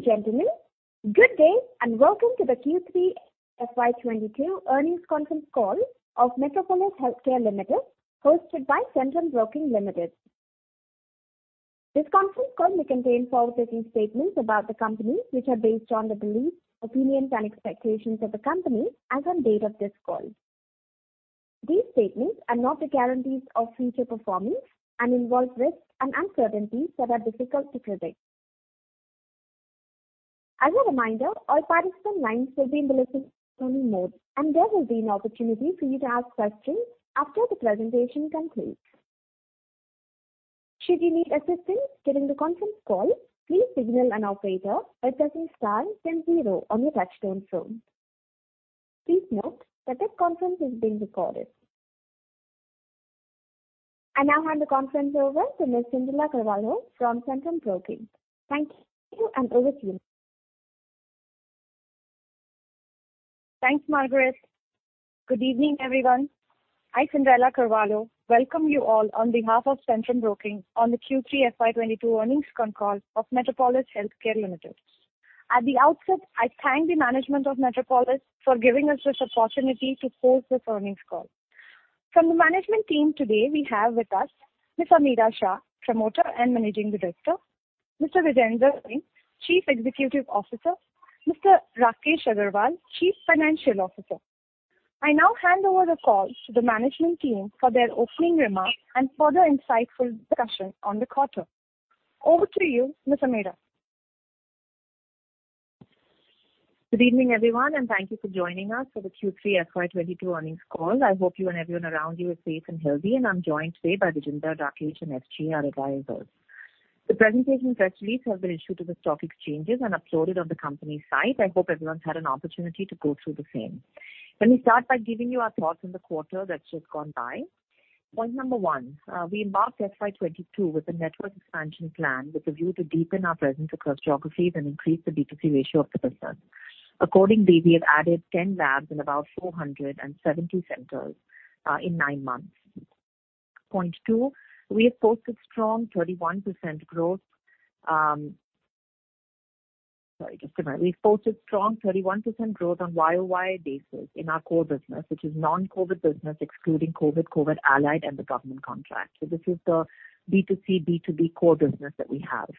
Ladies and gentlemen, good day, and welcome to the Q3 FY 2022 earnings conference call of Metropolis Healthcare Limited, hosted by Centrum Broking Limited. This conference call may contain forward-looking statements about the company, which are based on the beliefs, opinions, and expectations of the company as on date of this call. These statements are not the guarantees of future performance and involve risks and uncertainties that are difficult to predict. As a reminder, all participant lines will be in listen-only mode, and there will be an opportunity for you to ask questions after the presentation concludes. Should you need assistance during the conference call, please signal an operator by pressing star then zero on your touchtone phone. Please note that this conference is being recorded. I now hand the conference over to Ms. Cyndrella Carvalho from Centrum Broking. Thank you, and over to you. Thanks, Margaret. Good evening, everyone. I, Cyndrella Carvalho, welcome you all on behalf of Centrum Broking on the Q3 FY 2022 earnings con call of Metropolis Healthcare Limited. At the outset, I thank the management of Metropolis for giving us this opportunity to host this earnings call. From the management team today, we have with us Ms. Ameera Shah, Promoter and Managing Director, Mr. Vijender Singh, Chief Executive Officer, Mr. Rakesh Agarwal, Chief Financial Officer. I now hand over the call to the management team for their opening remarks and further insightful discussion on the quarter. Over to you, Ms. Ameera. Good evening, everyone, and thank you for joining us for the Q3 FY 2022 earnings call. I hope you and everyone around you is safe and healthy. I'm joined today by Vijender, Rakesh, and SJ, our advisors. The presentation press release has been issued to the stock exchanges and uploaded on the company's site. I hope everyone's had an opportunity to go through the same. Let me start by giving you our thoughts on the quarter that's just gone by. Point number one, we embarked FY 2022 with a network expansion plan with a view to deepen our presence across geographies and increase the B2C ratio of the business. Accordingly, we have added 10 labs in about 470 centers in nine months. Point two, we have posted strong 31% growth. Sorry, just a minute. We've posted strong 31% growth on YoY basis in our core business, which is non-COVID business excluding COVID-allied, and the government contract. This is the B2C, B2B core business that we have.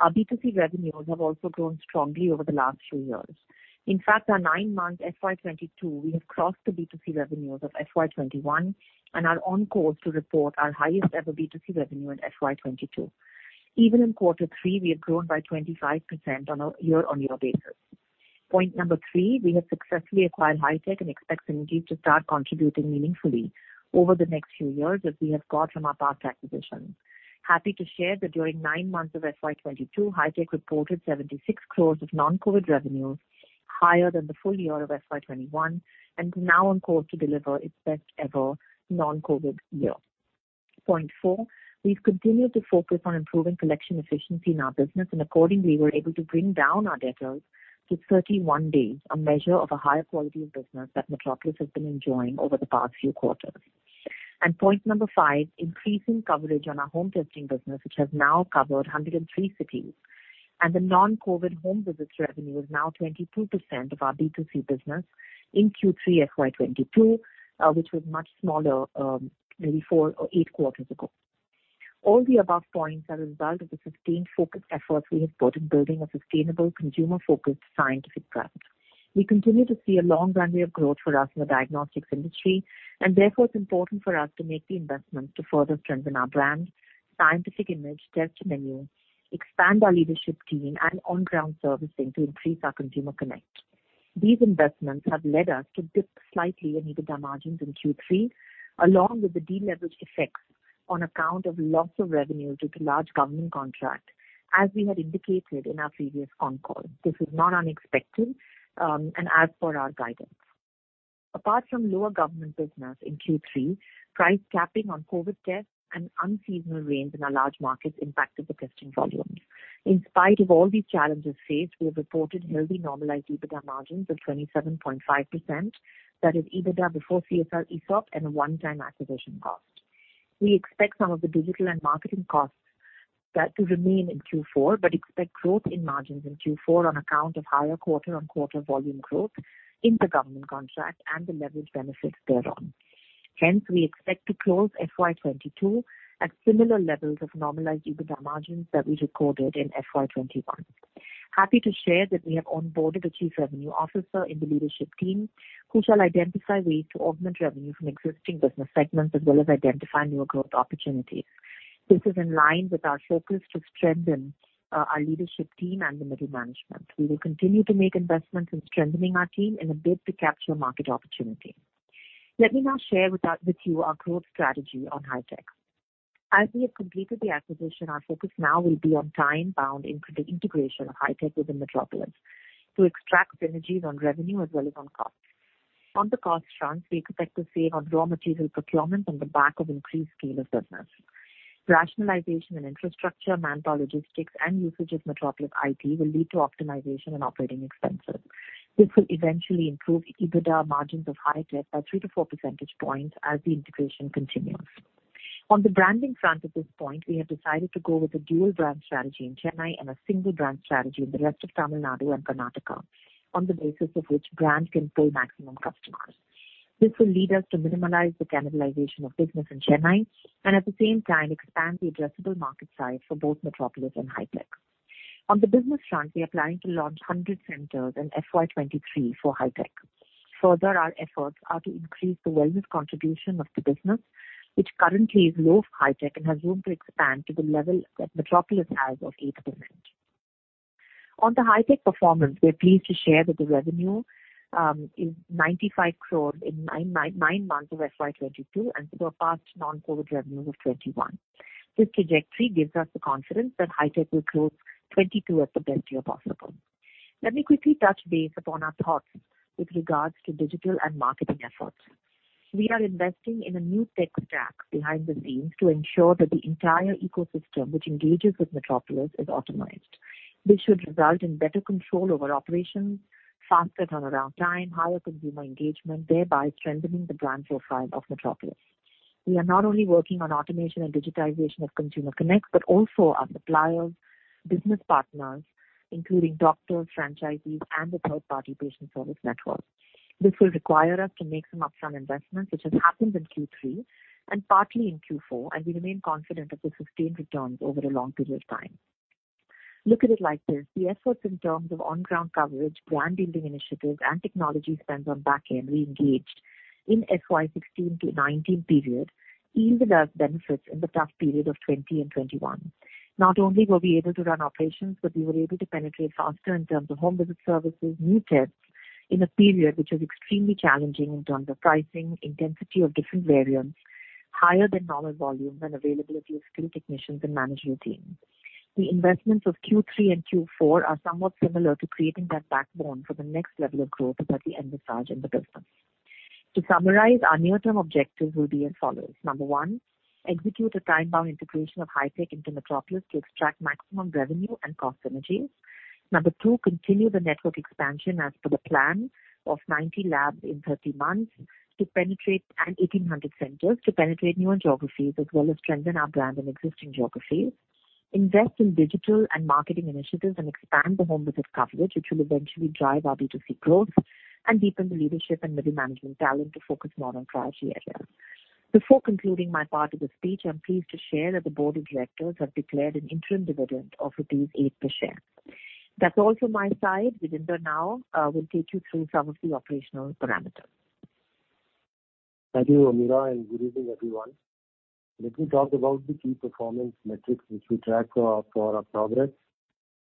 Our B2C revenues have also grown strongly over the last few years. In fact, our nine month FY 2022, we have crossed the B2C revenues of FY 2021 and are on course to report our highest ever B2C revenue in FY 2022. Even in quarter three, we have grown by 25% on a year-over-year basis. Point number three, we have successfully acquired Hitech and expect synergies to start contributing meaningfully over the next few years as we have got from our past acquisitions. Happy to share that during nine months of FY 2022, Hitech reported 76 crores of non-COVID revenues, higher than the full year of FY 2021, and now on course to deliver its best ever non-COVID year. Point four, we've continued to focus on improving collection efficiency in our business, and accordingly, we're able to bring down our debtors to 31 days, a measure of a higher quality of business that Metropolis has been enjoying over the past few quarters. Point number five, increasing coverage on our home testing business, which has now covered 103 cities. The non-COVID home visits revenue is now 22% of our B2C business in Q3 FY 2022, which was much smaller, maybe four or eight quarters ago. All the above points are a result of the sustained focused efforts we have put in building a sustainable, consumer-focused scientific brand. We continue to see a long runway of growth for us in the diagnostics industry, and therefore it's important for us to make the investment to further strengthen our brand, scientific image, test menu, expand our leadership team, and on-ground servicing to increase our consumer connect. These investments have led us to dip slightly in EBITDA margins in Q3, along with the deleverage effects on account of loss of revenue due to large government contract, as we had indicated in our previous con call. This is not unexpected, and as per our guidance. Apart from lower government business in Q3, price capping on COVID tests and unseasonal rains in our large markets impacted the testing volumes. In spite of all these challenges faced, we have reported healthy normalized EBITDA margins of 27.5%. That is EBITDA before CSR, ESOP, and a one-time acquisition cost. We expect some of the digital and marketing costs that to remain in Q4, but expect growth in margins in Q4 on account of higher quarter-on-quarter volume growth in the government contract and the leverage benefits thereon. Hence, we expect to close FY 2022 at similar levels of normalized EBITDA margins that we recorded in FY 2021. Happy to share that we have onboarded a Chief Revenue Officer in the leadership team who shall identify ways to augment revenue from existing business segments, as well as identify new growth opportunities. This is in line with our focus to strengthen our leadership team and the middle management. We will continue to make investments in strengthening our team in a bid to capture market opportunity. Let me now share with you our growth strategy on Hitech. As we have completed the acquisition, our focus now will be on time-bound integration of Hitech within Metropolis to extract synergies on revenue as well as on cost. On the cost front, we expect to save on raw material procurement on the back of increased scale of business. Rationalization in infrastructure, manpower, logistics, and usage of Metropolis IT will lead to optimization in operating expenses. This will eventually improve EBITDA margins of Hitech by 3-4 percentage points as the integration continues. On the branding front at this point, we have decided to go with a dual brand strategy in Chennai and a single brand strategy in the rest of Tamil Nadu and Karnataka on the basis of which brand can pull maximum customers. This will lead us to minimalize the cannibalization of business in Chennai and at the same time expand the addressable market size for both Metropolis and Hitech. On the business front, we are planning to launch 100 centers in FY 2023 for Hitech. Further, our efforts are to increase the wellness contribution of the business, which currently is low for Hitech and has room to expand to the level that Metropolis has of 8%. On the Hitech performance, we are pleased to share that the revenue is 95 crore in nine months of FY 2022 and surpassed non-COVID revenues of 21 crore. This trajectory gives us the confidence that Hitech will close 2022 as the best year possible. Let me quickly touch base upon our thoughts with regards to digital and marketing efforts. We are investing in a new tech stack behind the scenes to ensure that the entire ecosystem which engages with Metropolis is optimized. This should result in better control over operations, faster turnaround time, higher consumer engagement, thereby strengthening the brand profile of Metropolis. We are not only working on automation and digitization of consumer connects, but also our suppliers, business partners, including doctors, franchisees and the third-party patient service networks. This will require us to make some upfront investments, which has happened in Q3 and partly in Q4, and we remain confident of the sustained returns over a long period of time. Look at it like this, the efforts in terms of on-ground coverage, brand-building initiatives and technology spends on back-end we engaged in FY 2016-2019 period yielded us benefits in the tough period of 2020 and 2021. Not only were we able to run operations, but we were able to penetrate faster in terms of home visit services, new tests in a period which is extremely challenging in terms of pricing, intensity of different variants, higher than normal volumes and availability of skilled technicians and management teams. The investments of Q3 and Q4 are somewhat similar to creating that backbone for the next level of growth that we envisage in the business. To summarize, our near-term objectives will be as follows. Number one, execute a time-bound integration of Hitech into Metropolis to extract maximum revenue and cost synergies. Number two, continue the network expansion as per the plan of 90 labs in 30 months and 1,800 centers to penetrate newer geographies as well as strengthen our brand in existing geographies. Invest in digital and marketing initiatives and expand the home visit coverage, which will eventually drive our B2C growth and deepen the leadership and middle management talent to focus more on priority areas. Before concluding my part of the speech, I'm pleased to share that the board of directors have declared an interim dividend of INR 8 per share. That's all from my side. Vijender now will take you through some of the operational parameters. Thank you, Ameera, and good evening, everyone. Let me talk about the key performance metrics which we track for our progress.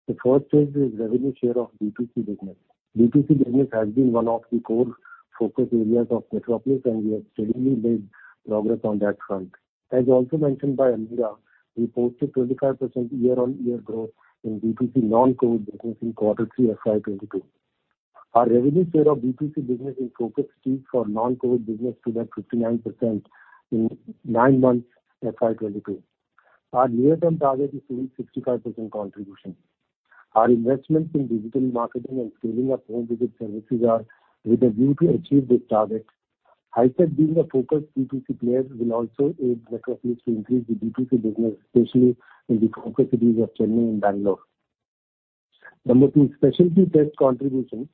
The first is the revenue share of B2C business. B2C business has been one of the core focus areas of Metropolis, and we have steadily made progress on that front. As also mentioned by Ameera, we posted 25% year-on-year growth in B2C non-COVID business in quarter three FY 2022. Our revenue share of B2C business in focus cities for non-COVID business stood at 59% in nine months FY 2022. Our near-term target is to reach 65% contribution. Our investments in digital marketing and scaling up home visit services are with a view to achieve this target. Hitech being a focused B2C player will also aid Metropolis to increase the B2C business, especially in the focus cities of Chennai and Bangalore. Number two, specialty test contribution.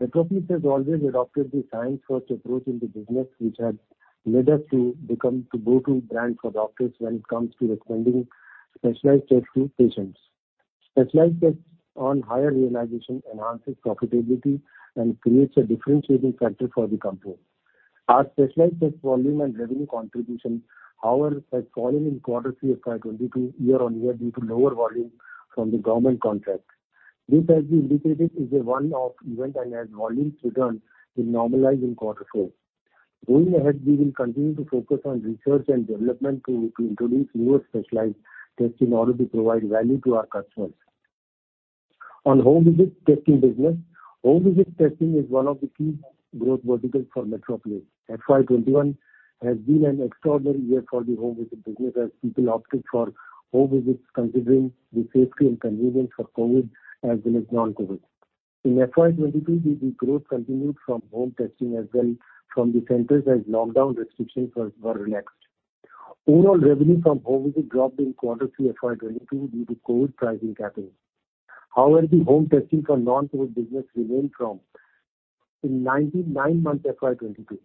Metropolis has always adopted the science-first approach in the business, which has led us to become the go-to brand for doctors when it comes to recommending specialized tests to patients. Specialized tests on higher realization enhances profitability and creates a differentiating factor for the company. Our specialized test volume and revenue contribution, however, has fallen in quarter three FY 2022 year-on-year due to lower volume from the government contracts. This has been indicated as a one-off event and as volumes return will normalize in quarter four. Going ahead, we will continue to focus on research and development to introduce newer specialized tests in order to provide value to our customers. On home visit testing business. Home visit testing is one of the key growth verticals for Metropolis. FY 2021 has been an extraordinary year for the home visit business as people opted for home visits considering the safety and convenience for COVID as well as non-COVID. In FY 2022, the growth continued from home testing as well from the centers as lockdown restrictions were relaxed. Overall revenue from home visit dropped in Q3 FY 2022 due to COVID pricing capping. However, the home testing for non-COVID business remained strong in nine months FY 2022.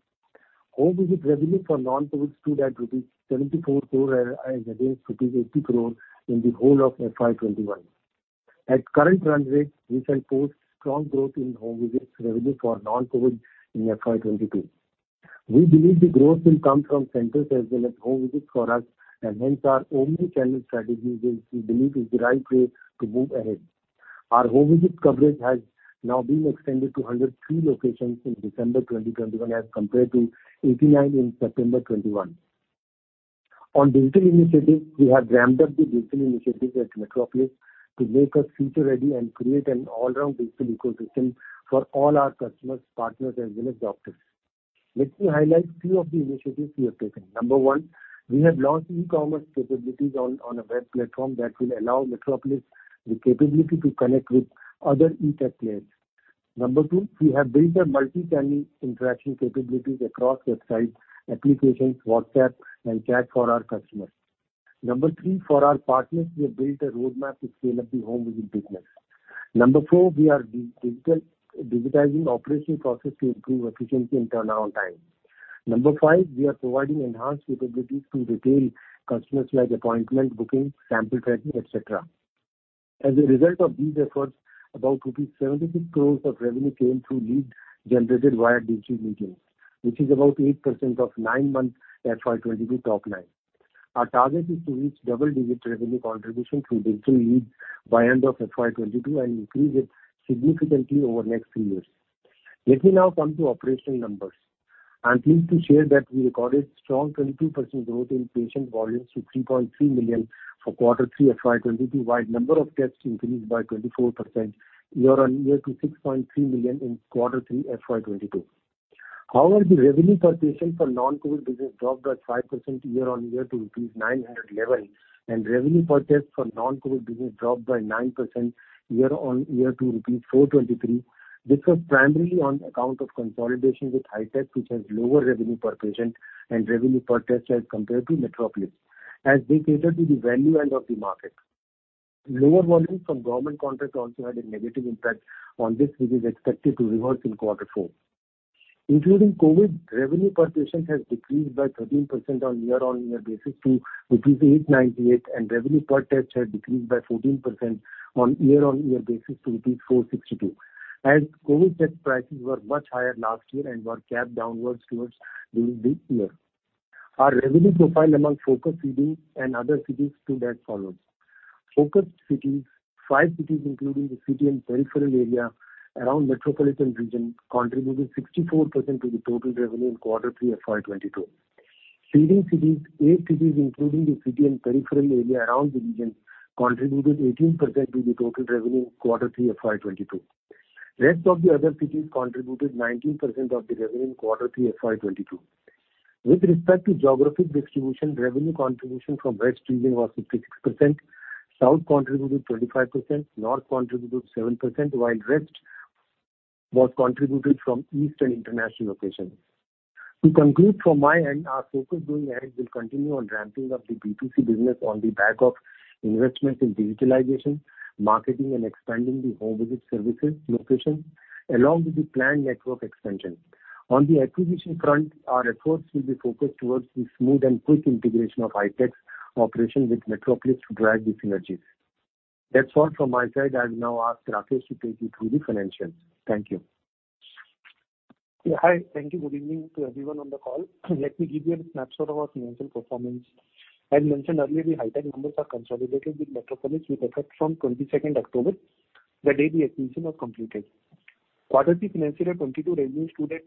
Home visit revenue for non-COVID stood at rupees 74 crore as against INR 80 crore in the whole of FY 2021. At current run rate, we shall post strong growth in home visits revenue for non-COVID in FY 2022. We believe the growth will come from centers as well as home visits for us, and hence our omni-channel strategy which we believe is the right way to move ahead. Our home visit coverage has now been extended to 103 locations in December 2021 as compared to 89 in September 2021. On digital initiatives, we have ramped up the digital initiatives at Metropolis to make us future-ready and create an all-around digital ecosystem for all our customers, partners, as well as doctors. Let me highlight few of the initiatives we have taken. Number one, we have launched e-commerce capabilities on a web platform that will allow Metropolis the capability to connect with other e-tech players. Number two, we have built a multi-channel interaction capabilities across websites, applications, WhatsApp, and chat for our customers. Number three, for our partners, we have built a roadmap to scale up the home visit business. Number four, we are digitizing operation process to improve efficiency and turnaround time. Number five, we are providing enhanced capabilities to retail customers like appointment booking, sample tracking, et cetera. As a result of these efforts, about rupees 76 crores of revenue came through leads generated via digital mediums, which is about 8% of nine-month FY 2022 top line. Our target is to reach double-digit revenue contribution through digital leads by end of FY 2022, and increase it significantly over next three years. Let me now come to operational numbers. I'm pleased to share that we recorded strong 22% growth in patient volumes to 3.3 million for quarter three FY 2022, while number of tests increased by 24% year-on-year to 6.3 million in quarter three FY 2022. However, the revenue per patient for non-COVID business dropped by 5% year-on-year to rupees 911, and revenue per test for non-COVID business dropped by 9% year-on-year to rupees 423. This was primarily on account of consolidation with Hitech, which has lower revenue per patient and revenue per test as compared to Metropolis, as they cater to the value end of the market. Lower volumes from government contracts also had a negative impact on this, which is expected to reverse in quarter four. Including COVID, revenue per patient has decreased by 13% year-on-year to rupees 898, and revenue per test has decreased by 14% year-on-year to rupees 462, as COVID test prices were much higher last year and were capped downwards towards during this year. Our revenue profile among focus cities and other cities stood as follows: Focus cities, five cities including the city and peripheral area around metropolitan region, contributed 64% to the total revenue in quarter three FY 2022. Seeding cities, eight cities including the city and peripheral area around the region contributed 18% to the total revenue quarter three FY 2022. Rest of the other cities contributed 19% of the revenue in quarter three FY 2022. With respect to geographic distribution, revenue contribution from West region was 56%, South contributed 25%, North contributed 7%, while rest was contributed from East and international locations. To conclude from my end, our focus going ahead will continue on ramping up the B2C business on the back of investments in digitalization, marketing, and expanding the home visit services locations, along with the planned network expansion. On the acquisition front, our efforts will be focused towards the smooth and quick integration of Hitech's operation with Metropolis to drive the synergies. That's all from my side. I'll now ask Rakesh to take you through the financials. Thank you. Yeah, hi. Thank you. Good evening to everyone on the call. Let me give you a snapshot of our financial performance. As mentioned earlier, the Hitech numbers are consolidated with Metropolis with effect from 22 October, the day the acquisition was completed. Quarter three financial year 2022 revenue stood at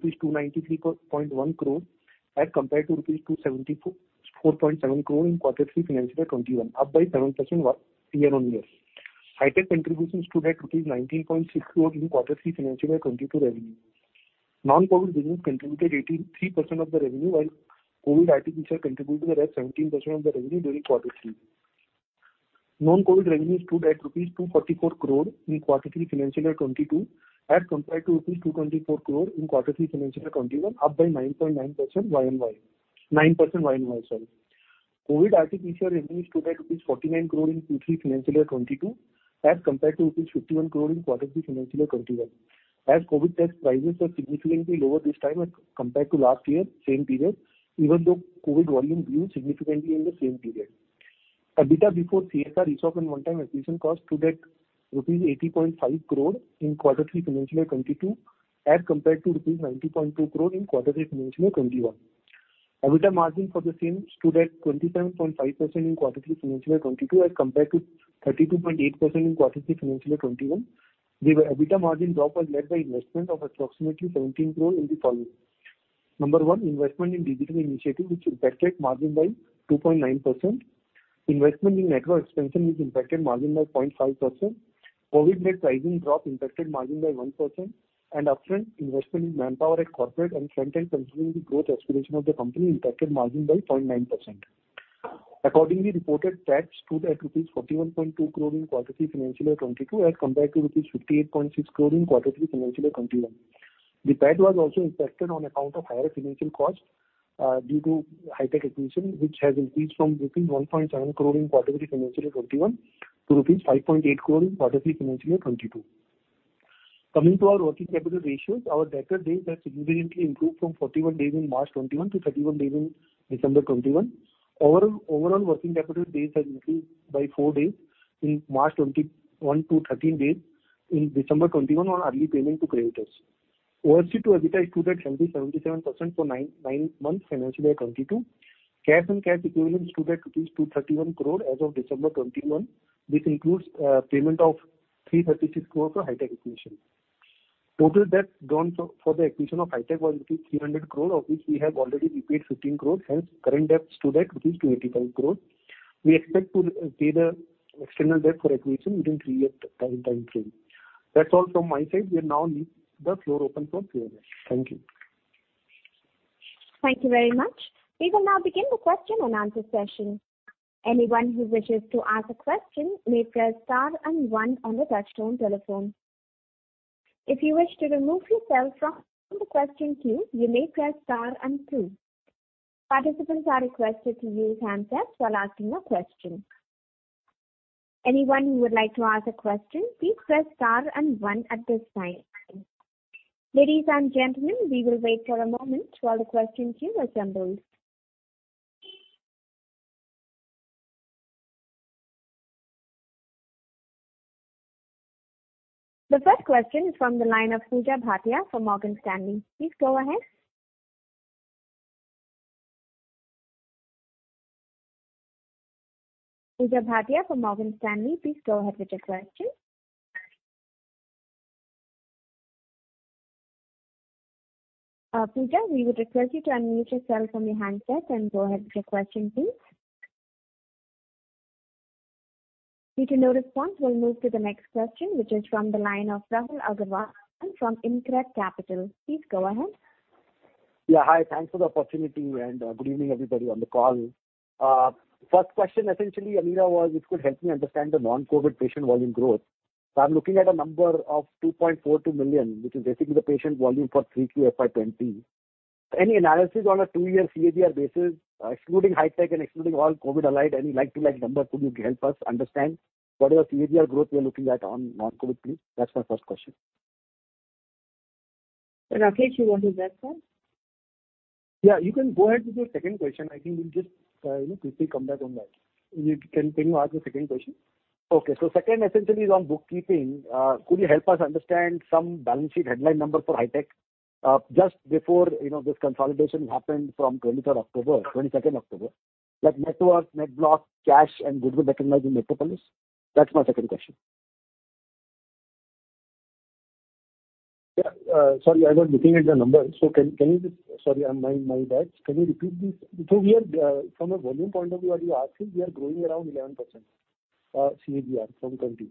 293.1 crore as compared to 274.7 crore in quarter three financial year 2021, up by 7% year-on-year. Hitech contribution stood at INR 19.6 crore in quarter three financial year 2022 revenue. Non-COVID business contributed 83% of the revenue, while COVID RT-PCR contributed the rest 17% of the revenue during Q3. Non-COVID revenue stood at rupees 244 crore in Q3 FY 2022, as compared to rupees 224 crore in Q3 FY 2021, up by 9.9% YoY. 9% YoY, sorry. COVID RT-PCR revenue stood at INR 49 crore in Q3 FY 2022, as compared to INR 51 crore in Q3 FY 2021, as COVID test prices are significantly lower this time as compared to last year same period, even though COVID volume grew significantly in the same period. EBITDA before CSR, stock, and one-time acquisition cost stood at rupees 80.5 crore in Q3 FY 2022, as compared to rupees 90.2 crore in Q3 FY 2021. EBITDA margin for the same stood at 27.5% in quarter three financial year 2022, as compared to 32.8% in quarter three financial year 2021. The EBITDA margin drop was led by investment of approximately 17 crore in the following. Number one, investment in digital initiative which impacted margin by 2.9%. Investment in network expansion which impacted margin by 0.5%. COVID net pricing drop impacted margin by 1%, and upfront investment in manpower at corporate and front end considering the growth aspiration of the company impacted margin by 0.9%. Accordingly, reported tax stood at rupees 41.2 crore in quarter three financial year 2022, as compared to rupees 58.6 crore in quarter three financial year 2021. The tax was also impacted on account of higher financial costs due to Hitech acquisition, which has increased from rupees 1.7 crore in Q3 FY 2021 to rupees 5.8 crore in Q3 FY 2022. Coming to our working capital ratios, our debtor days have significantly improved from 41 days in March 2021 to 31 days in December 2021. Overall working capital days has increased by four days in March 2021 to 13 days in December 2021 on early payment to creditors. OCF to EBITDA stood at 70.77% for nine months FY 2022. Cash and cash equivalents stood at 231 crore as of December 2021. This includes payment of 336 crore for Hitech acquisition. Total debts drawn for the acquisition of Hitech was 300 crore, of which we have already repaid 15 crores. Hence, current debts stood at 285 crore. We expect to pay the external debt for acquisition within three-year time frame. That's all from my side. We now leave the floor open for Q&A. Thank you. Thank you very much. We will now begin the question and answer session. Anyone who wishes to ask a question may press star and one on the touchtone telephone. If you wish to remove yourself from the question queue, you may press star and two. Participants are requested to mute handsets while asking a question. Anyone who would like to ask a question, please press star and one at this time. Ladies and gentlemen, we will wait for a moment while the question queue assembles. The first question is from the line of Pooja Bhatia from Morgan Stanley. Please go ahead. Pooja Bhatia from Morgan Stanley, please go ahead with your question. Pooja, we would request you to unmute yourself from your handset and go ahead with your question, please. Due to no response, we'll move to the next question, which is from the line of Rahul Agarwal from InCred Capital. Please go ahead. Yeah. Hi. Thanks for the opportunity, and good evening, everybody on the call. First question essentially, Ameera Shah, was if you could help me understand the non-COVID patient volume growth. So I'm looking at a number of 2.42 million, which is basically the patient volume for Q3 FY 2020. Any analysis on a two-year CAGR basis, excluding Hitech and excluding all COVID-allied, any like-for-like number could help us understand what is CAGR growth we are looking at on non-COVID, please. That's my first question. Rakesh, you want to address that? Yeah, you can go ahead with your second question. I think we'll just, you know, quickly come back on that. Can you ask the second question? Okay. Second essentially is on bookkeeping. Could you help us understand some balance sheet headline number for Hitech, just before, you know, this consolidation happened from October 23rd, October 22nd, like network, net block, cash, and goodwill recognized in Metropolis? That's my second question. Yeah. Sorry, I was looking at the numbers. Can you just... Sorry, my bad. Can you repeat please? We are, from a volume point of view, what you're asking, we are growing around 11%, CAGR from twenty.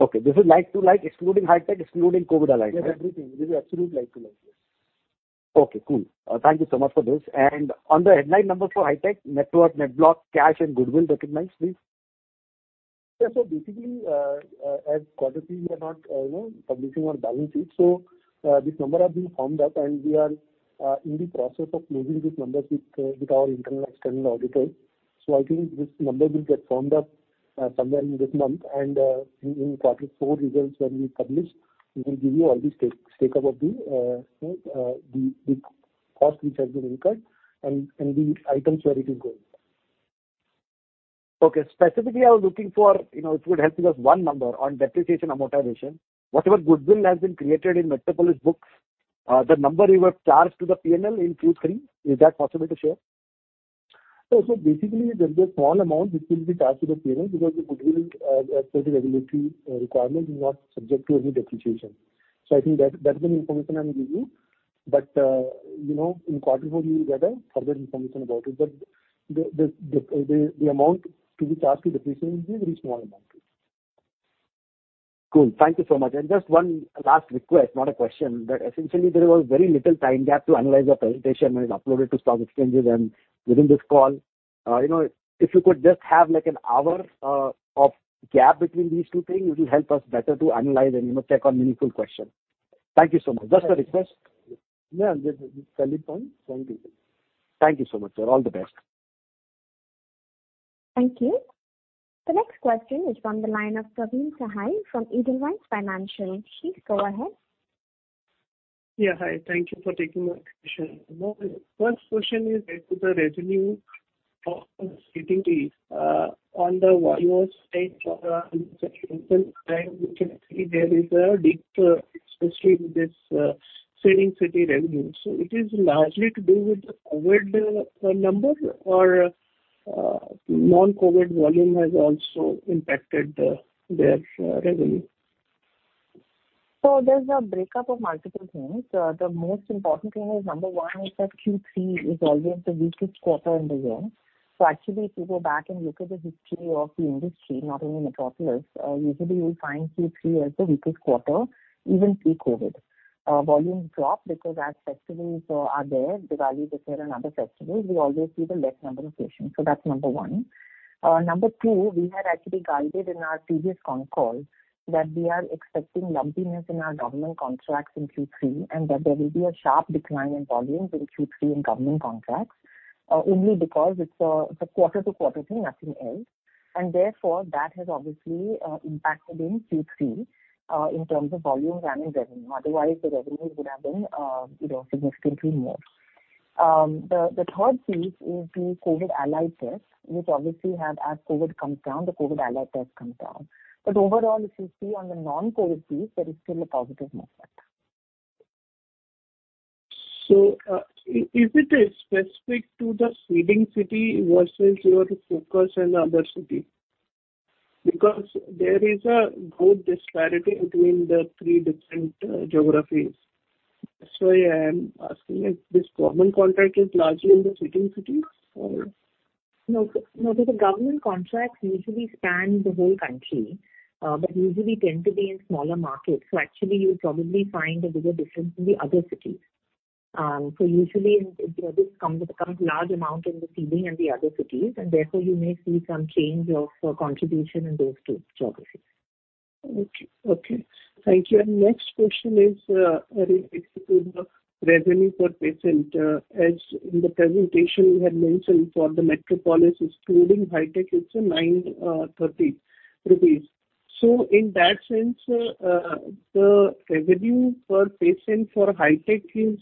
Okay. This is like to like excluding Hitech, excluding COVID-allied, right? Yes, everything. This is absolute like-to-like, yes. Okay, cool. Thank you so much for this. On the headline number for Hitech, network, net block, cash, and goodwill recognized, please. Yeah. Basically, quarterly, we are not, you know, publishing our balance sheet. This number have been firmed up, and we are in the process of finalizing these numbers with our internal and external auditors. I think this number will get firmed up somewhere in this month and in quarter four results when we publish, we will give you all the breakup of the costs which has been incurred and the items where it is going. Okay. Specifically, I was looking for, you know, if you could help me with one number on depreciation amortization. Whatever goodwill has been created in Metropolis books, the number you have charged to the P&L in Q3, is that possible to share? Basically there's a small amount which will be charged to the P&L because the goodwill, as per the regulatory requirement, is not subject to any depreciation. I think that's the information I will give you. You know, in quarter four you will get a further information about it. The amount to be charged to depreciation will be a very small amount. Cool. Thank you so much. Just one last request, not a question, but essentially there was very little time gap to analyze your presentation when it's uploaded to stock exchanges and within this call. You know, if you could just have like an hour, of gap between these two things, it will help us better to analyze and, you know, check on meaningful question. Thank you so much. Just a request. Yeah. Valid point. Thank you. Thank you so much, sir. All the best. Thank you. The next question is from the line of Praveen Sahay from Edelweiss Financial. Please go ahead. Yeah. Hi. Thank you for taking my question. My first question is related to the revenue of Seeding City. On the YoY basis, you can see there is a dip, especially with this Seeding City revenue. It is largely to do with the COVID number or non-COVID volume has also impacted their revenue? There's a breakup of multiple things. The most important thing is number one is that Q3 is always the weakest quarter in the year. Actually, if you go back and look at the history of the industry, not only Metropolis, usually you'll find Q3 as the weakest quarter, even pre-COVID. Volumes drop because as festivals are there, Diwali, Dussehra, and other festivals, we always see the less number of patients. That's number one. Number two, we had actually guided in our previous con call that we are expecting lumpiness in our government contracts in Q3, and that there will be a sharp decline in volumes in Q3 in government contracts, only because it's a quarter-to-quarter thing, nothing else. Therefore, that has obviously impacted in Q3 in terms of volumes and in revenue. Otherwise, the revenues would have been, you know, significantly more. The third piece is the COVID-allied tests, which obviously have, as COVID comes down, the COVID-allied tests come down. Overall, if you see on the non-COVID piece, there is still a positive movement. Is it specific to the Seeding City versus your focus in other city? Because there is a good disparity between the three different geographies. Yeah, I'm asking if this government contract is largely in the Seeding City or- No, the government contracts usually span the whole country, but usually tend to be in smaller markets. Actually you'll probably find a bigger difference in the other cities. Usually this becomes large amount in the CD and the other cities, and therefore you may see some change of contribution in those two geographies. Okay, thank you. Next question is related to the revenue per patient. As in the presentation you had mentioned for the Metropolis including Hitech, it's INR 930. In that sense, the revenue per patient for Hitech is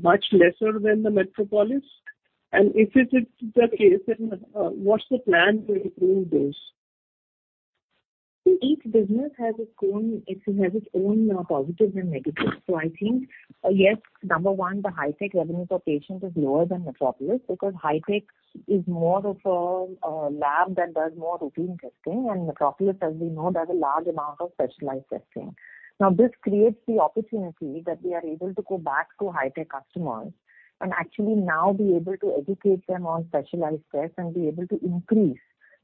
much lesser than the Metropolis. If it is the case, then what's the plan to improve this? Each business has its own positives and negatives. I think, yes, number one, the Hitech revenue per patient is lower than Metropolis because Hitech is more of a lab that does more routine testing, and Metropolis, as we know, does a large amount of specialized testing. Now, this creates the opportunity that we are able to go back to Hitech customers and actually now be able to educate them on specialized tests and be able to increase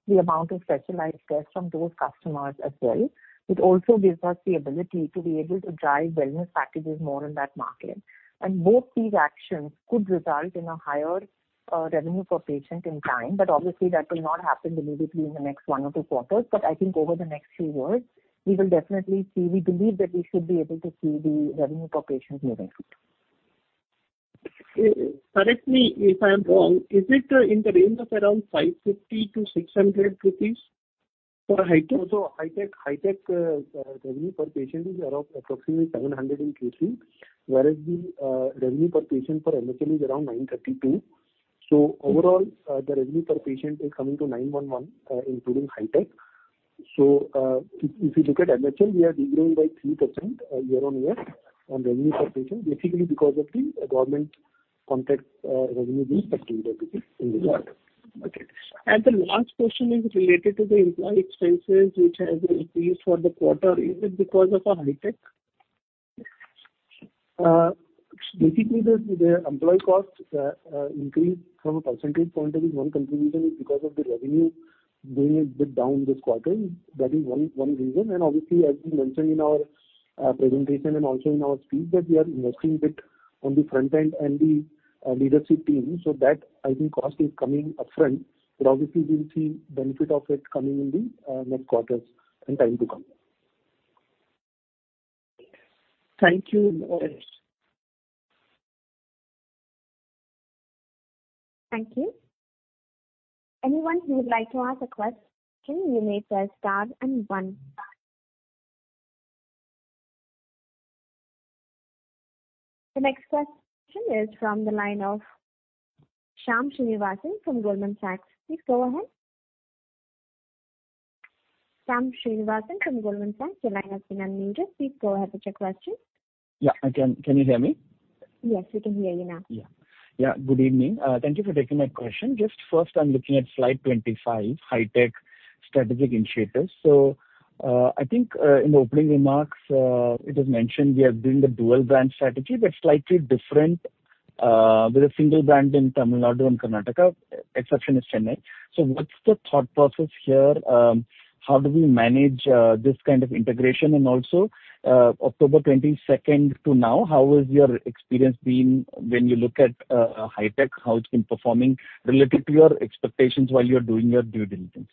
the amount of specialized tests from those customers as well. It also gives us the ability to be able to drive wellness packages more in that market. Both these actions could result in a higher revenue per patient in time. Obviously that will not happen immediately in the next one or two quarters. I think over the next few years we will definitely see. We believe that we should be able to see the revenue per patient moving. Correct me if I am wrong. Is it in the range of around 550-600 rupees for Hitech? Hitech revenue per patient is around approximately 700 in QC, whereas the revenue per patient for MHL is around 932. Overall, the revenue per patient is coming to 911, including Hitech. If you look at MHL, we are de-growing by 3% year-over-year on revenue per patient, basically because of the government contract revenue being INR 15 in this quarter. Got it. Okay. The last question is related to the employee expenses which has increased for the quarter. Is it because of Hitech? Basically the employee costs increased from a percentage point of view. One contribution is because of the revenue being a bit down this quarter. That is one reason. Obviously, as we mentioned in our presentation and also in our speech, that we are investing a bit on the front end and the leadership team. That I think cost is coming upfront, but obviously we'll see benefit of it coming in the next quarters in time to come. Thank you. Thank you. Anyone who would like to ask a question, you may press star and one. The next question is from the line of Shyam Srinivasan from Goldman Sachs. Please go ahead. Shyam Srinivasan from Goldman Sachs, your line has been unmuted. Please go ahead with your question. Yeah. Can you hear me? Yes, we can hear you now. Good evening. Thank you for taking my question. Just first, I'm looking at Slide 25, Hitech strategic initiatives. I think in the opening remarks it was mentioned we are doing the dual brand strategy but slightly different with a single brand in Tamil Nadu and Karnataka, exception is Chennai. What's the thought process here? How do we manage this kind of integration? Also, October 22nd to now, how has your experience been when you look at Hitech, how it's been performing relative to your expectations while you are doing your due diligence?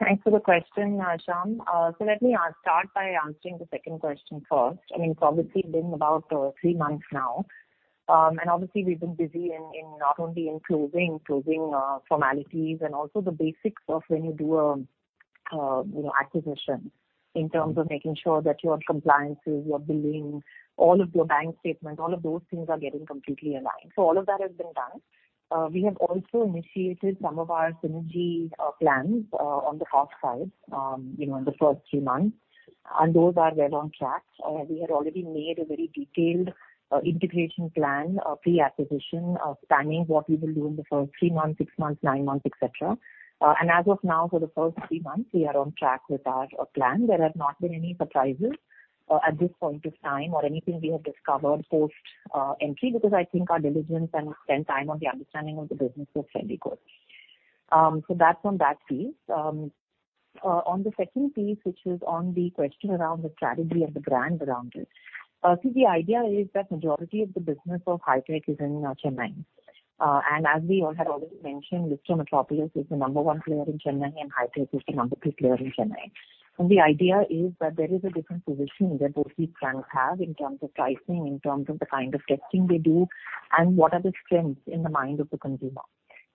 Thanks for the question, Shyam. Let me start by answering the second question first. I mean, it's obviously been about three months now. We've been busy not only in closing formalities and also the basics of when you do a you know, acquisition in terms of making sure that your compliances, your billing, all of your bank statements, all of those things are getting completely aligned. All of that has been done. We have also initiated some of our synergy plans on the cost side, you know, in the first three months, and those are well on track. We had already made a very detailed integration plan pre-acquisition, planning what we will do in the first three months, six months, nine months, et cetera. As of now, for the first three months, we are on track with our plan. There have not been any surprises at this point of time or anything we have discovered post entry, because I think our diligence and spend time on the understanding of the business was fairly good. That's on that piece. On the second piece, which is on the question around the strategy and the brand around it. See, the idea is that majority of the business of Hitech is in Chennai. As we all had already mentioned, Dr. Metropolis is the number one player in Chennai and Hitech is the number two player in Chennai. The idea is that there is a different position that both these brands have in terms of pricing, in terms of the kind of testing they do, and what are the strengths in the mind of the consumer,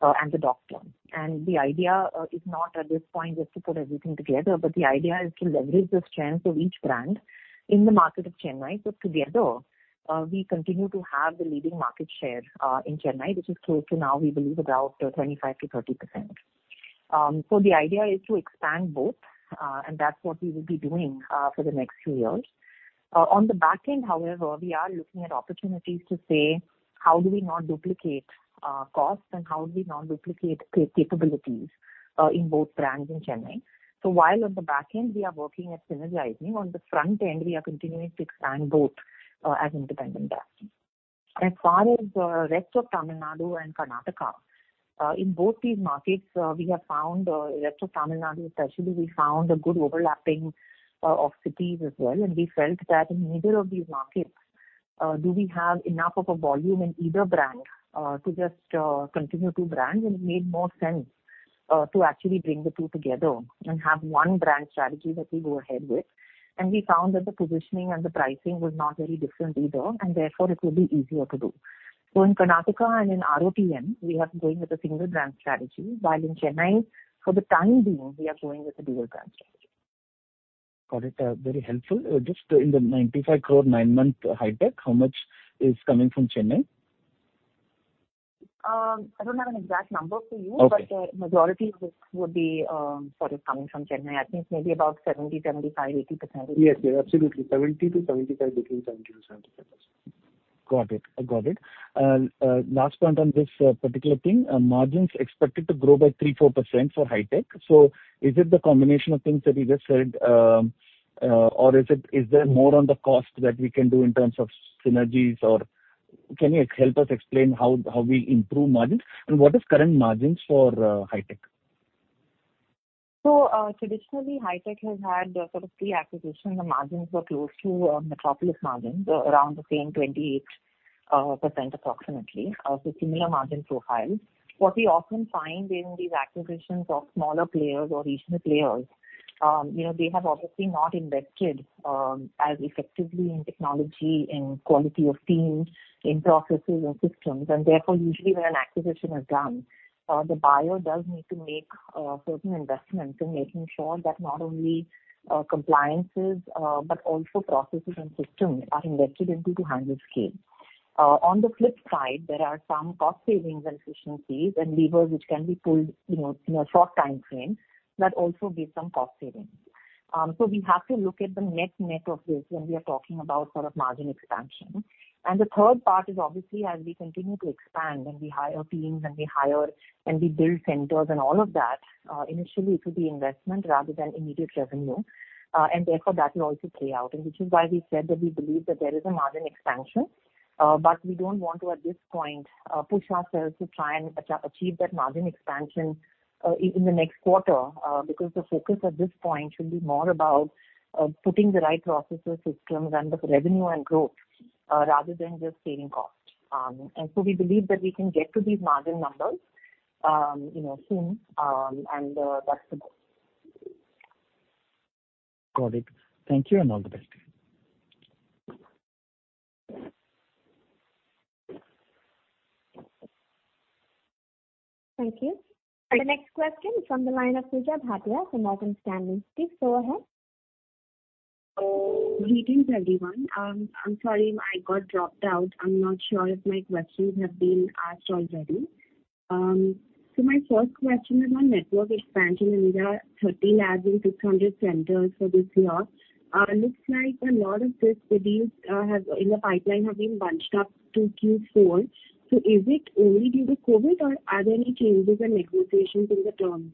and the doctor. The idea is not at this point just to put everything together, but the idea is to leverage the strengths of each brand in the market of Chennai. Together, we continue to have the leading market share in Chennai, which is close to now, we believe about 25%-30%. The idea is to expand both, and that's what we will be doing for the next few years. On the back end, however, we are looking at opportunities to say how do we not duplicate costs, and how do we not duplicate capabilities in both brands in Chennai. While on the back end we are working at synergizing, on the front end we are continuing to expand both as independent brands. As far as rest of Tamil Nadu and Karnataka, in both these markets, we have found rest of Tamil Nadu especially a good overlapping of cities as well. We felt that in neither of these markets do we have enough of a volume in either brand to just continue two brands. It made more sense to actually bring the two together and have one brand strategy that we go ahead with. We found that the positioning and the pricing was not very different either, and therefore it will be easier to do. In Karnataka and in RoTN, we are going with a single brand strategy, while in Chennai, for the time being, we are going with a dual brand strategy. Got it. Very helpful. Just in the 95 crore nine-month Hitech, how much is coming from Chennai? I don't have an exact number for you. Okay. Majority of this would be sort of coming from Chennai. I think maybe about 70%, 75%, 80%. Yes. Absolutely. 70%-75%. Between 70%-75%. Got it. Last point on this particular thing. Margins expected to grow by 3%-4% for Hitech. Is it the combination of things that you just said, or is there more on the cost that we can do in terms of synergies, or can you help us explain how we improve margins? What is current margins for Hitech? Traditionally, Hitech has had sort of pre-acquisition, the margins were close to Metropolis margins, around the same 28% approximately. Similar margin profile. What we often find in these acquisitions of smaller players or regional players, you know, they have obviously not invested as effectively in technology, in quality of teams, in processes and systems. Therefore, usually when an acquisition is done, the buyer does need to make certain investments in making sure that not only compliances but also processes and systems are invested into to handle scale. On the flip side, there are some cost savings and efficiencies and levers which can be pulled, you know, in a short time frame that also give some cost savings. We have to look at the net-net of this when we are talking about sort of margin expansion. The third part is obviously as we continue to expand and we hire teams and we build centers and all of that, initially it will be investment rather than immediate revenue. Therefore that will also play out. Which is why we said that we believe that there is a margin expansion. We don't want to at this point push ourselves to try and achieve that margin expansion in the next quarter because the focus at this point should be more about putting the right processes, systems and the revenue and growth rather than just saving costs. We believe that we can get to these margin numbers, you know, soon. That's the goal. Got it. Thank you and all the best. Thank you. The next question is from the line of Pooja Bhatia from Morgan Stanley. Please go ahead. Greetings, everyone. I'm sorry, I got dropped out. I'm not sure if my questions have been asked already. My first question is on network expansion. uncertain, 30 labs and 600 centers for this year. Looks like a lot of these deals in the pipeline have been bunched up to Q4. Is it only due to COVID or are there any changes in negotiations in the terms?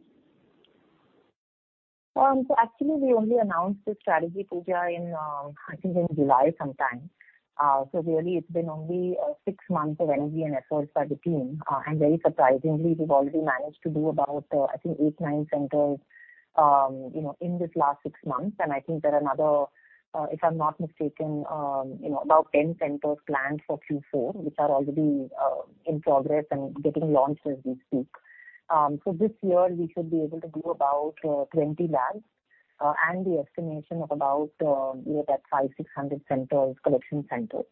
We only announced this strategy, Pooja, in, I think in July sometime. Really it's been only six months of energy and efforts by the team. Very surprisingly, we've already managed to do about, I think eight-nine centers, you know, in this last six months. I think there are another, if I'm not mistaken, you know, about 10 centers planned for Q4, which are already in progress and getting launched as we speak. This year we should be able to do about 20 labs, and the estimation of about, you know, that 500-600 centers, collection centers.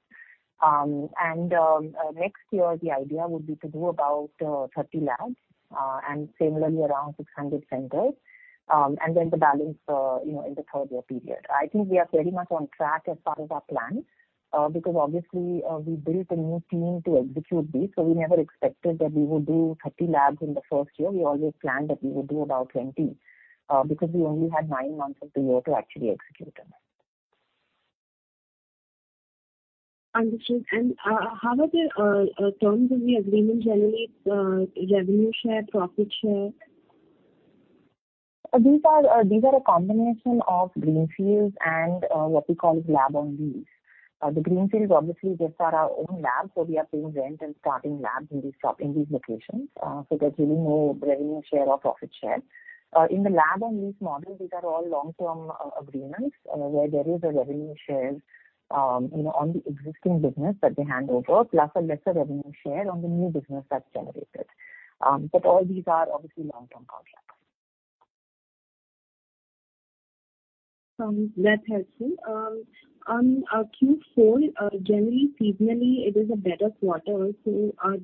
Next year the idea would be to do about 30 labs, and similarly around 600 centers. The balance, you know, in the third year period. I think we are very much on track as far as our plan, because obviously, we built a new team to execute these, so we never expected that we would do 30 labs in the first year. We always planned that we would do about 20, because we only had nine months of the year to actually execute them. Understood. How are the terms of the agreement generally? Revenue share, profit share? These are a combination of greenfields and what we call lab-on-lease. The greenfields obviously just are our own labs, so we are paying rent and starting labs in these locations. There's really no revenue share or profit share. In the lab-on-lease model, these are all long-term agreements where there is a revenue share, you know, on the existing business that they hand over, plus a lesser revenue share on the new business that's generated. All these are obviously long-term contracts. That's helpful. Q4 generally seasonally it is a better quarter.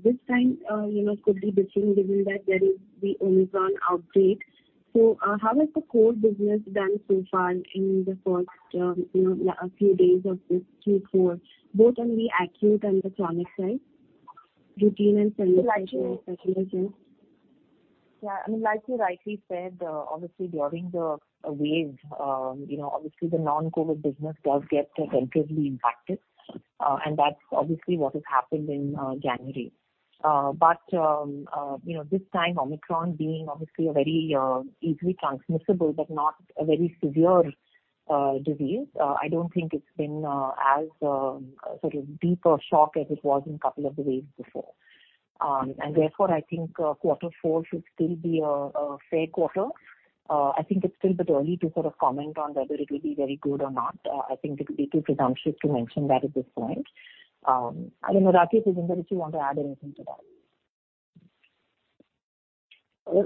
This time, you know, could be different given that there is the Omicron outbreak. How has the core business done so far in the first, you know, a few days of this Q4, both on the acute and the chronic side? Routine and selectives and specialties? Yeah. I mean, like you rightly said, obviously during the wave, you know, obviously the non-COVID business does get relatively impacted. That's obviously what has happened in January. You know, this time Omicron being obviously a very easily transmissible but not a very severe disease. I don't think it's been as sort of deeper shock as it was in couple of the waves before. Therefore, I think quarter four should still be a fair quarter. I think it's still a bit early to sort of comment on whether it will be very good or not. I think it would be too presumptuous to mention that at this point. I don't know, Rakesh, if you want to add anything to that.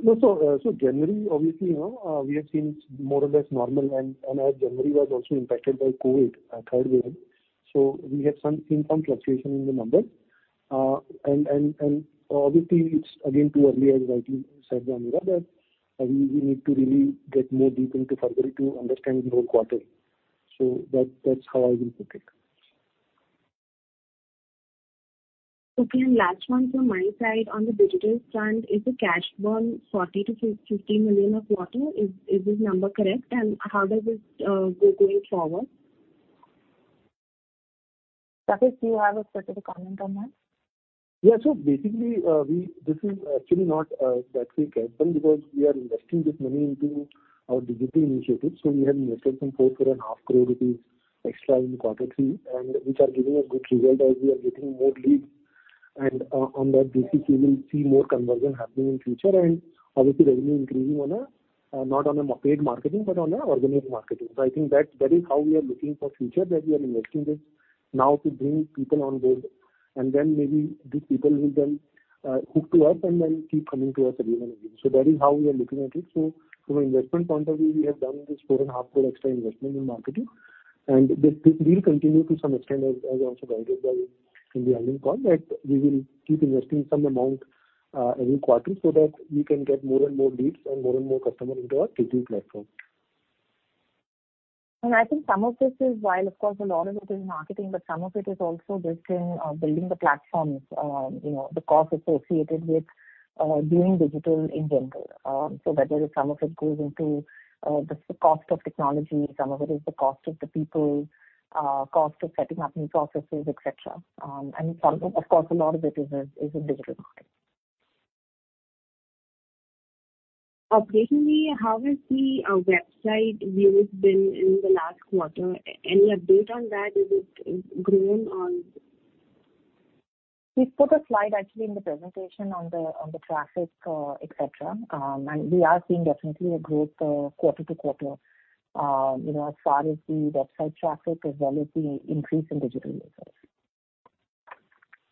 No. Generally, obviously, you know, we have seen more or less normal and our January was also impacted by COVID third wave. We have seen some fluctuation in the numbers. Obviously it's again too early, as rightly said by Ameera, that we need to really get more deep into February to understand the whole quarter. That's how I will put it. Okay. Last one from my side. On the digital front, is the cash burn 40 million-50 million per quarter, is this number correct? How does this go forward? Rakesh, do you have a specific comment on that? Yeah. Basically, this is actually not that big cash burn because we are investing this money into our digital initiatives. We have invested some 4.5 crore extra in quarter three, which are giving a good result as we are getting more leads. On that basis, we will see more conversion happening in future. Obviously revenue increasing on a not on a paid marketing, but on a organic marketing. I think that is how we are looking for future that we are investing this now to bring people on board, and then maybe these people will then hook to us and then keep coming to us again and again. That is how we are looking at it. From an investment point of view, we have done this 4.5 crore extra investment in marketing. This will continue to some extent as also guided by in the earnings call that we will keep investing some amount every quarter so that we can get more and more leads and more and more customers into our KT platform. I think some of this is, while of course a lot of it is marketing, but some of it is also just in building the platforms. You know, the cost associated with doing digital in general. So whether some of it goes into the cost of technology, some of it is the cost of the people, cost of setting up new processes, et cetera. Some of course a lot of it is a digital marketing. Recently, how has the website views been in the last quarter? Any update on that? Is it grown or? We put a slide actually in the presentation on the traffic, et cetera. We are seeing definitely a growth quarter to quarter. You know, as far as the website traffic as well as the increase in digital users.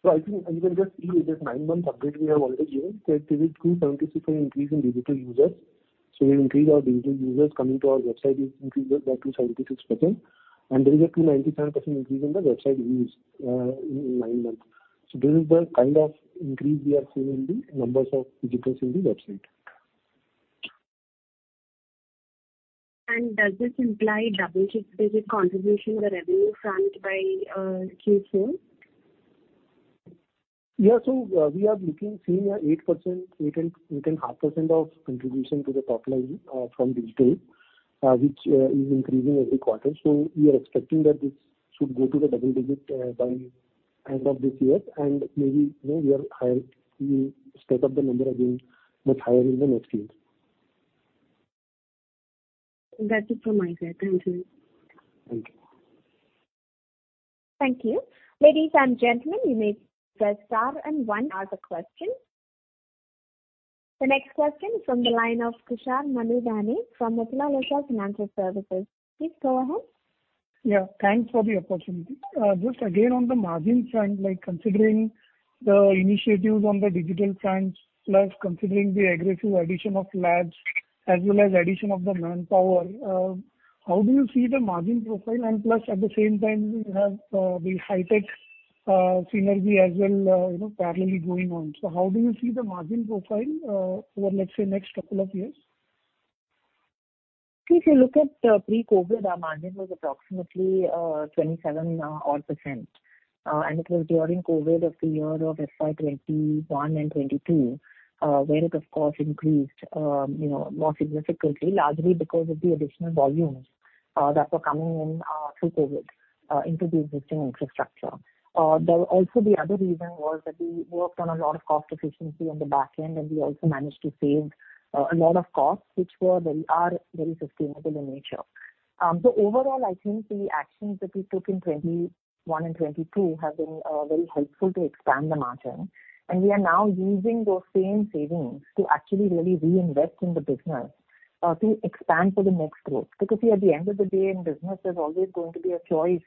I think you can just see this nine-month update we have already given that there is 276% increase in digital users. The increase of digital users coming to our website is increased by 276%. There is a 297% increase in the website views in nine months. This is the kind of increase we are seeing in the numbers of visitors in the website. Does this imply double-digit contribution in the revenue front by Q4? We are seeing 8%-8.5% contribution to the top line from digital, which is increasing every quarter. We are expecting that this should go to double digits by end of this year. Maybe, you know, we stack up the number again much higher in the next year. That's it from my side. Thank you. Thank you. Thank you. Ladies and gentlemen, you may press star and one to ask a question. The next question from the line of Tushar Manudhane from Motilal Oswal Financial Services. Please go ahead. Yeah. Thanks for the opportunity. Just again, on the margin front, like considering the initiatives on the digital front, plus considering the aggressive addition of labs as well as addition of the manpower, how do you see the margin profile? Plus, at the same time, you have the Hitech synergy as well, you know, parallelly going on. How do you see the margin profile over, let's say, next couple of years? If you look at pre-COVID, our margin was approximately 27 odd percent. It was during COVID of the year of FY 2021 and 2022, where it of course increased, you know, more significantly, largely because of the additional volumes that were coming in through COVID into the existing infrastructure. Also the other reason was that we worked on a lot of cost efficiency on the back end, and we also managed to save a lot of costs, which are very sustainable in nature. Overall, I think the actions that we took in 2021 and 2022 have been very helpful to expand the margin. We are now using those same savings to actually really reinvest in the business to expand for the next growth. Because, see, at the end of the day in business, there's always going to be a choice,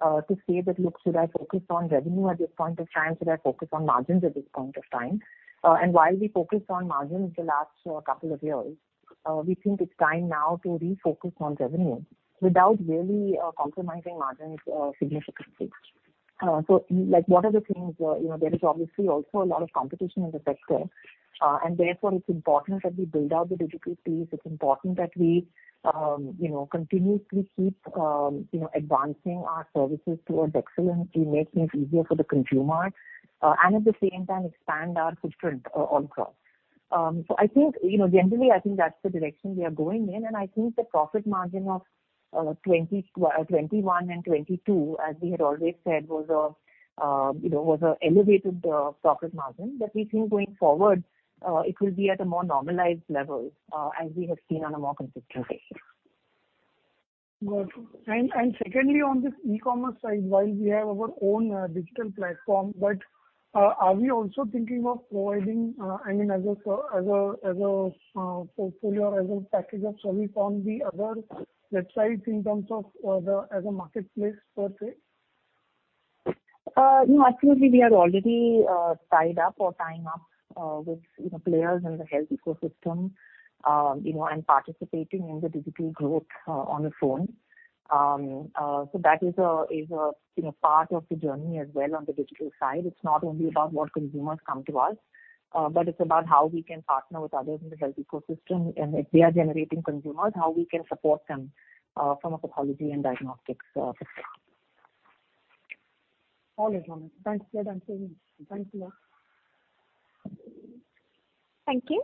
to say that, "Look, should I focus on revenue at this point of time? Should I focus on margins at this point of time?" While we focused on margins the last couple of years, we think it's time now to refocus on revenue without really, compromising margins, significantly. Like, what are the things, you know, there is obviously also a lot of competition in the sector, and therefore it's important that we build out the digital piece. It's important that we, you know, continuously keep, you know, advancing our services towards excellence to make things easier for the consumer, and at the same time expand our footprint across. I think, you know, generally, I think that's the direction we are going in. I think the profit margin of 2021 and 2022, as we had always said, was an elevated profit margin. We think going forward, it will be at a more normalized levels, as we have seen on a more consistent basis. Good. Secondly, on this e-commerce side, while we have our own digital platform, but are we also thinking of providing, I mean, as a portfolio or as a package of service on the other websites in terms of as a marketplace per se? No. Actually, we are already tied up or tying up with you know players in the health ecosystem. You know, and participating in the digital growth on the phone. So that is a you know part of the journey as well on the digital side. It's not only about what consumers come to us, but it's about how we can partner with others in the health ecosystem. If they are generating consumers, how we can support them from a pathology and diagnostics perspective. All is well. Thanks. Yeah, done. Thank you. Thank you.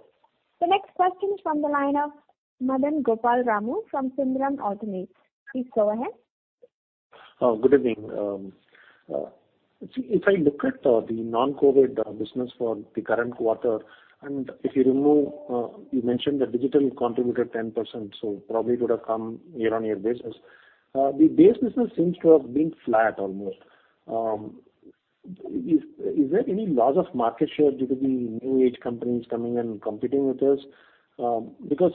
The next question is from the line of Madanagopal Ramu from Sundaram Alternates. Please go ahead. Oh, good evening. If I look at the non-COVID business for the current quarter, and if you remove, you mentioned that digital contributed 10%, so probably it would have come year-on-year basis. The base business seems to have been flat almost. Is there any loss of market share due to the new age companies coming and competing with us? Because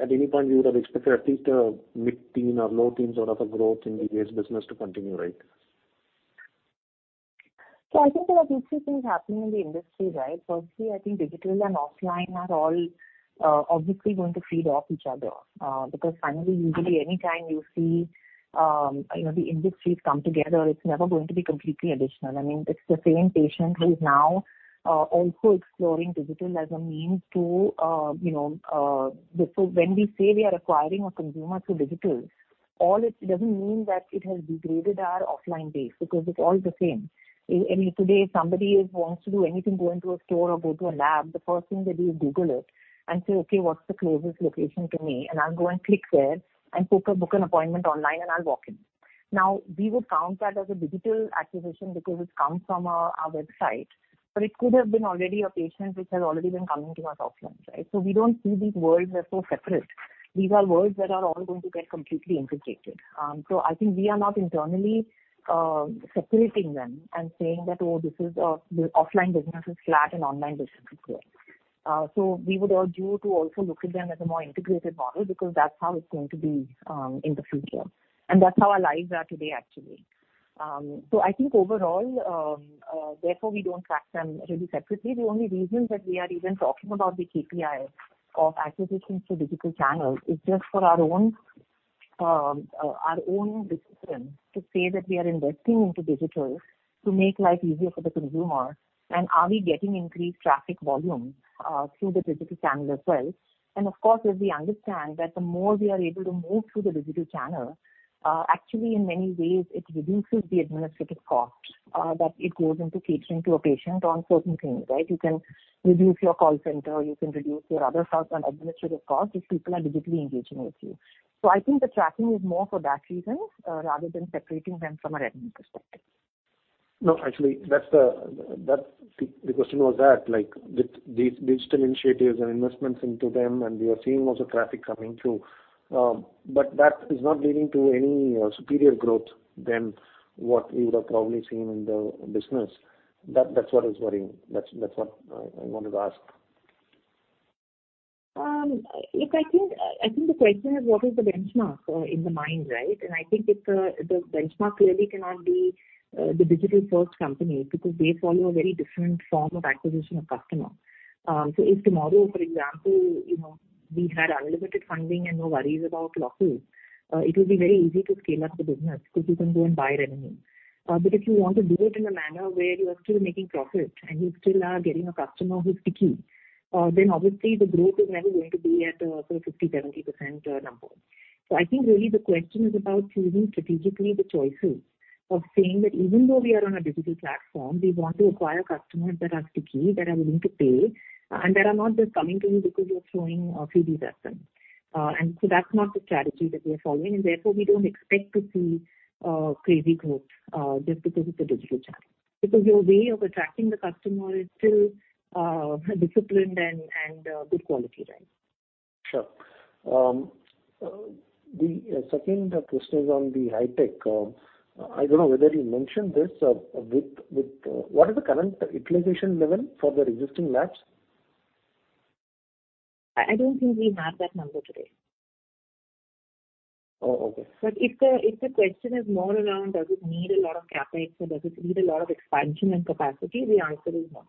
at any point you would have expected at least a mid-teen or low teens sort of a growth in the base business to continue, right? I think there are two things happening in the industry, right? Firstly, I think digital and offline are all obviously going to feed off each other. Because finally, usually anytime you see, you know, the industries come together, it's never going to be completely additional. I mean, it's the same patient who is now also exploring digital as a means to, you know. When we say we are acquiring a consumer through digital, all it doesn't mean that it has degraded our offline base, because it's all the same. I mean, today, if somebody wants to do anything, go into a store or go to a lab, the first thing they do is Google it and say, "Okay, what's the closest location to me? I'll go and click there and book an appointment online, and I'll walk in. Now, we would count that as a digital acquisition because it's come from our website, but it could have been already a patient which has already been coming to us offline, right? We don't see these worlds as so separate. These are worlds that are all going to get completely integrated. I think we are not internally separating them and saying that, "Oh, this is the offline business is flat and online business is growing." We would urge you to also look at them as a more integrated model, because that's how it's going to be in the future. That's how our lives are today actually. I think overall, therefore, we don't track them really separately. The only reason that we are even talking about the KPIs of acquisitions through digital channels is just for our own, our own discipline to say that we are investing into digital to make life easier for the consumer. Are we getting increased traffic volume, through the digital channel as well? Of course, as we understand that the more we are able to move through the digital channel, actually in many ways it reduces the administrative costs, that it goes into catering to a patient on certain things, right? You can reduce your call center, you can reduce your other software administrative costs if people are digitally engaging with you. I think the tracking is more for that reason, rather than separating them from a revenue perspective. No, actually, the question was that, like, with these digital initiatives and investments into them, and we are seeing also traffic coming through. But that is not leading to any superior growth than what we would have probably seen in the business. That's what is worrying. That's what I wanted to ask. Look, I think the question is what is the benchmark in the mind, right? I think if the benchmark really cannot be the digital-first company, because they follow a very different form of acquisition of customer. If tomorrow, for example, you know, we had unlimited funding and no worries about losses, it would be very easy to scale up the business because you can go and buy revenue. If you want to do it in a manner where you are still making profits and you still are getting a customer who's sticky, then obviously the growth is never going to be at a sort of 50%-70% number. I think really the question is about choosing strategically the choices of saying that even though we are on a digital platform, we want to acquire customers that are sticky, that are willing to pay, and that are not just coming to you because you're throwing free desserts at them. And so that's not the strategy that we are following, and therefore we don't expect to see crazy growth just because it's a digital channel. Because your way of attracting the customer is still disciplined and good quality, right? Sure. The second question is on the Hitech. I don't know whether you mentioned this. What is the current utilization level for the existing labs? I don't think we have that number today. Oh, okay. If the question is more around does it need a lot of CapEx or does it need a lot of expansion and capacity, the answer is no.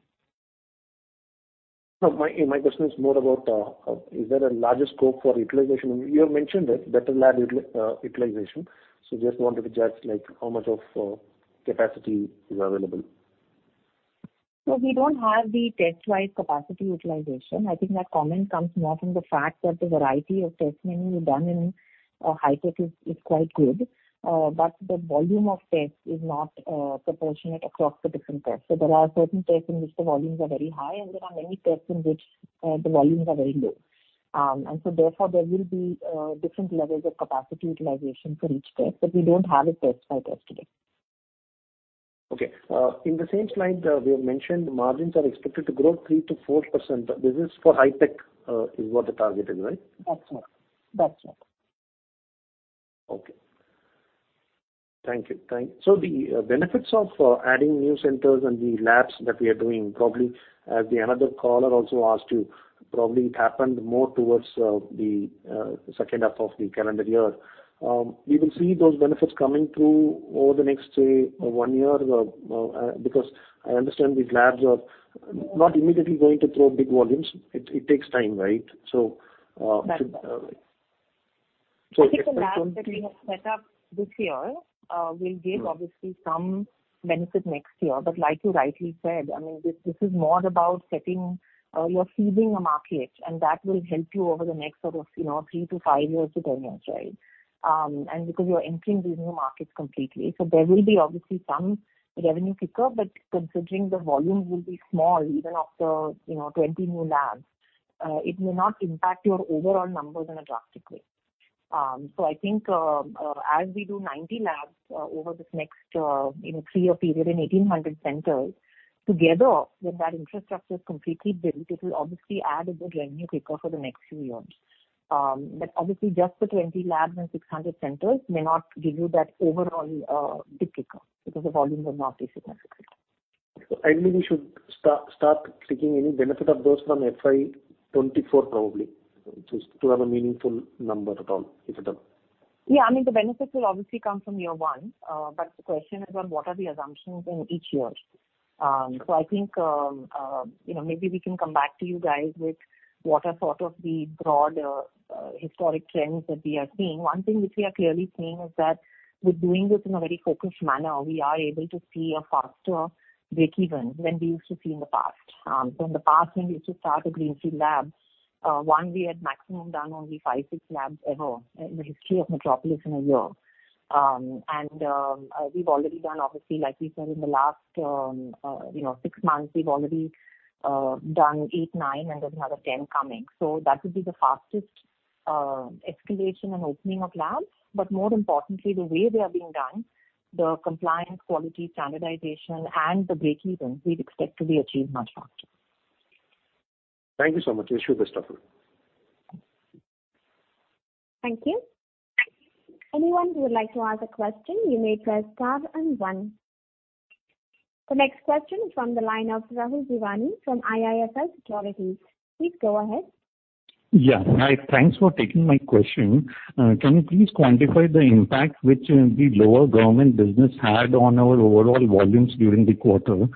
No. My question is more about, is there a larger scope for utilization? You have mentioned it, better lab utilization. So just wanted to judge, like, how much of capacity is available. We don't have the test-wide capacity utilization. I think that comment comes more from the fact that the variety of testing done in a Hitech is quite good. The volume of tests is not proportionate across the different tests. There are certain tests in which the volumes are very high and there are many tests in which the volumes are very low. Therefore, there will be different levels of capacity utilization for each test, but we don't have a test by test today. Okay. In the same slide, we have mentioned margins are expected to grow 3%-4%. This is for Hitech, is what the target is, right? That's right. That's right. Okay. Thank you. The benefits of adding new centers and the labs that we are doing, probably, as another caller also asked you, probably it happened more towards the second half of the calendar year. We will see those benefits coming through over the next, say, one year or because I understand these labs are not immediately going to throw big volumes. It takes time, right? That's right. So I think the labs that we have set up this year will give obviously some benefit next year. Like you rightly said, I mean, this is more about seeding a market, and that will help you over the next, you know, three-five years to 10 years, right? Because you are entering these new markets completely. There will be obviously some revenue pickup, but considering the volume will be small even after, you know, 20 new labs, it may not impact your overall numbers in a drastic way. I think, as we do 90 labs, over this next, you know, three-year period and 1,800 centers, together when that infrastructure is completely built, it will obviously add a good revenue pickup for the next few years. Obviously just the 20 labs and 600 centers may not give you that overall, big pickup because the volumes are not as significant. I believe we should start seeing any benefit of those from FY 2024 probably to have a meaningful number at all, if at all. Yeah. I mean, the benefits will obviously come from year one. The question is on what are the assumptions in each year. I think, you know, maybe we can come back to you guys with what are sort of the broad historic trends that we are seeing. One thing which we are clearly seeing is that we're doing this in a very focused manner. We are able to see a faster breakeven than we used to see in the past. In the past when we used to start a greenfield lab, one, we had maximum done only five, six labs ever in the history of Metropolis in a year. We've already done, obviously, like we said, in the last, you know, six months, we've already done eight, nine, and then we have a 10 coming. That would be the fastest escalation and opening of labs. More importantly, the way they are being done, the compliance, quality, standardization and the breakeven we'd expect to be achieved much faster. Thank you so much. uncertain Thank you. Anyone who would like to ask a question, you may press star and one. The next question is from the line of Rahul Jeewani from IIFL Securities. Please go ahead. Yeah. Hi. Thanks for taking my question. Can you please quantify the impact which the lower government business had on our overall volumes during the quarter?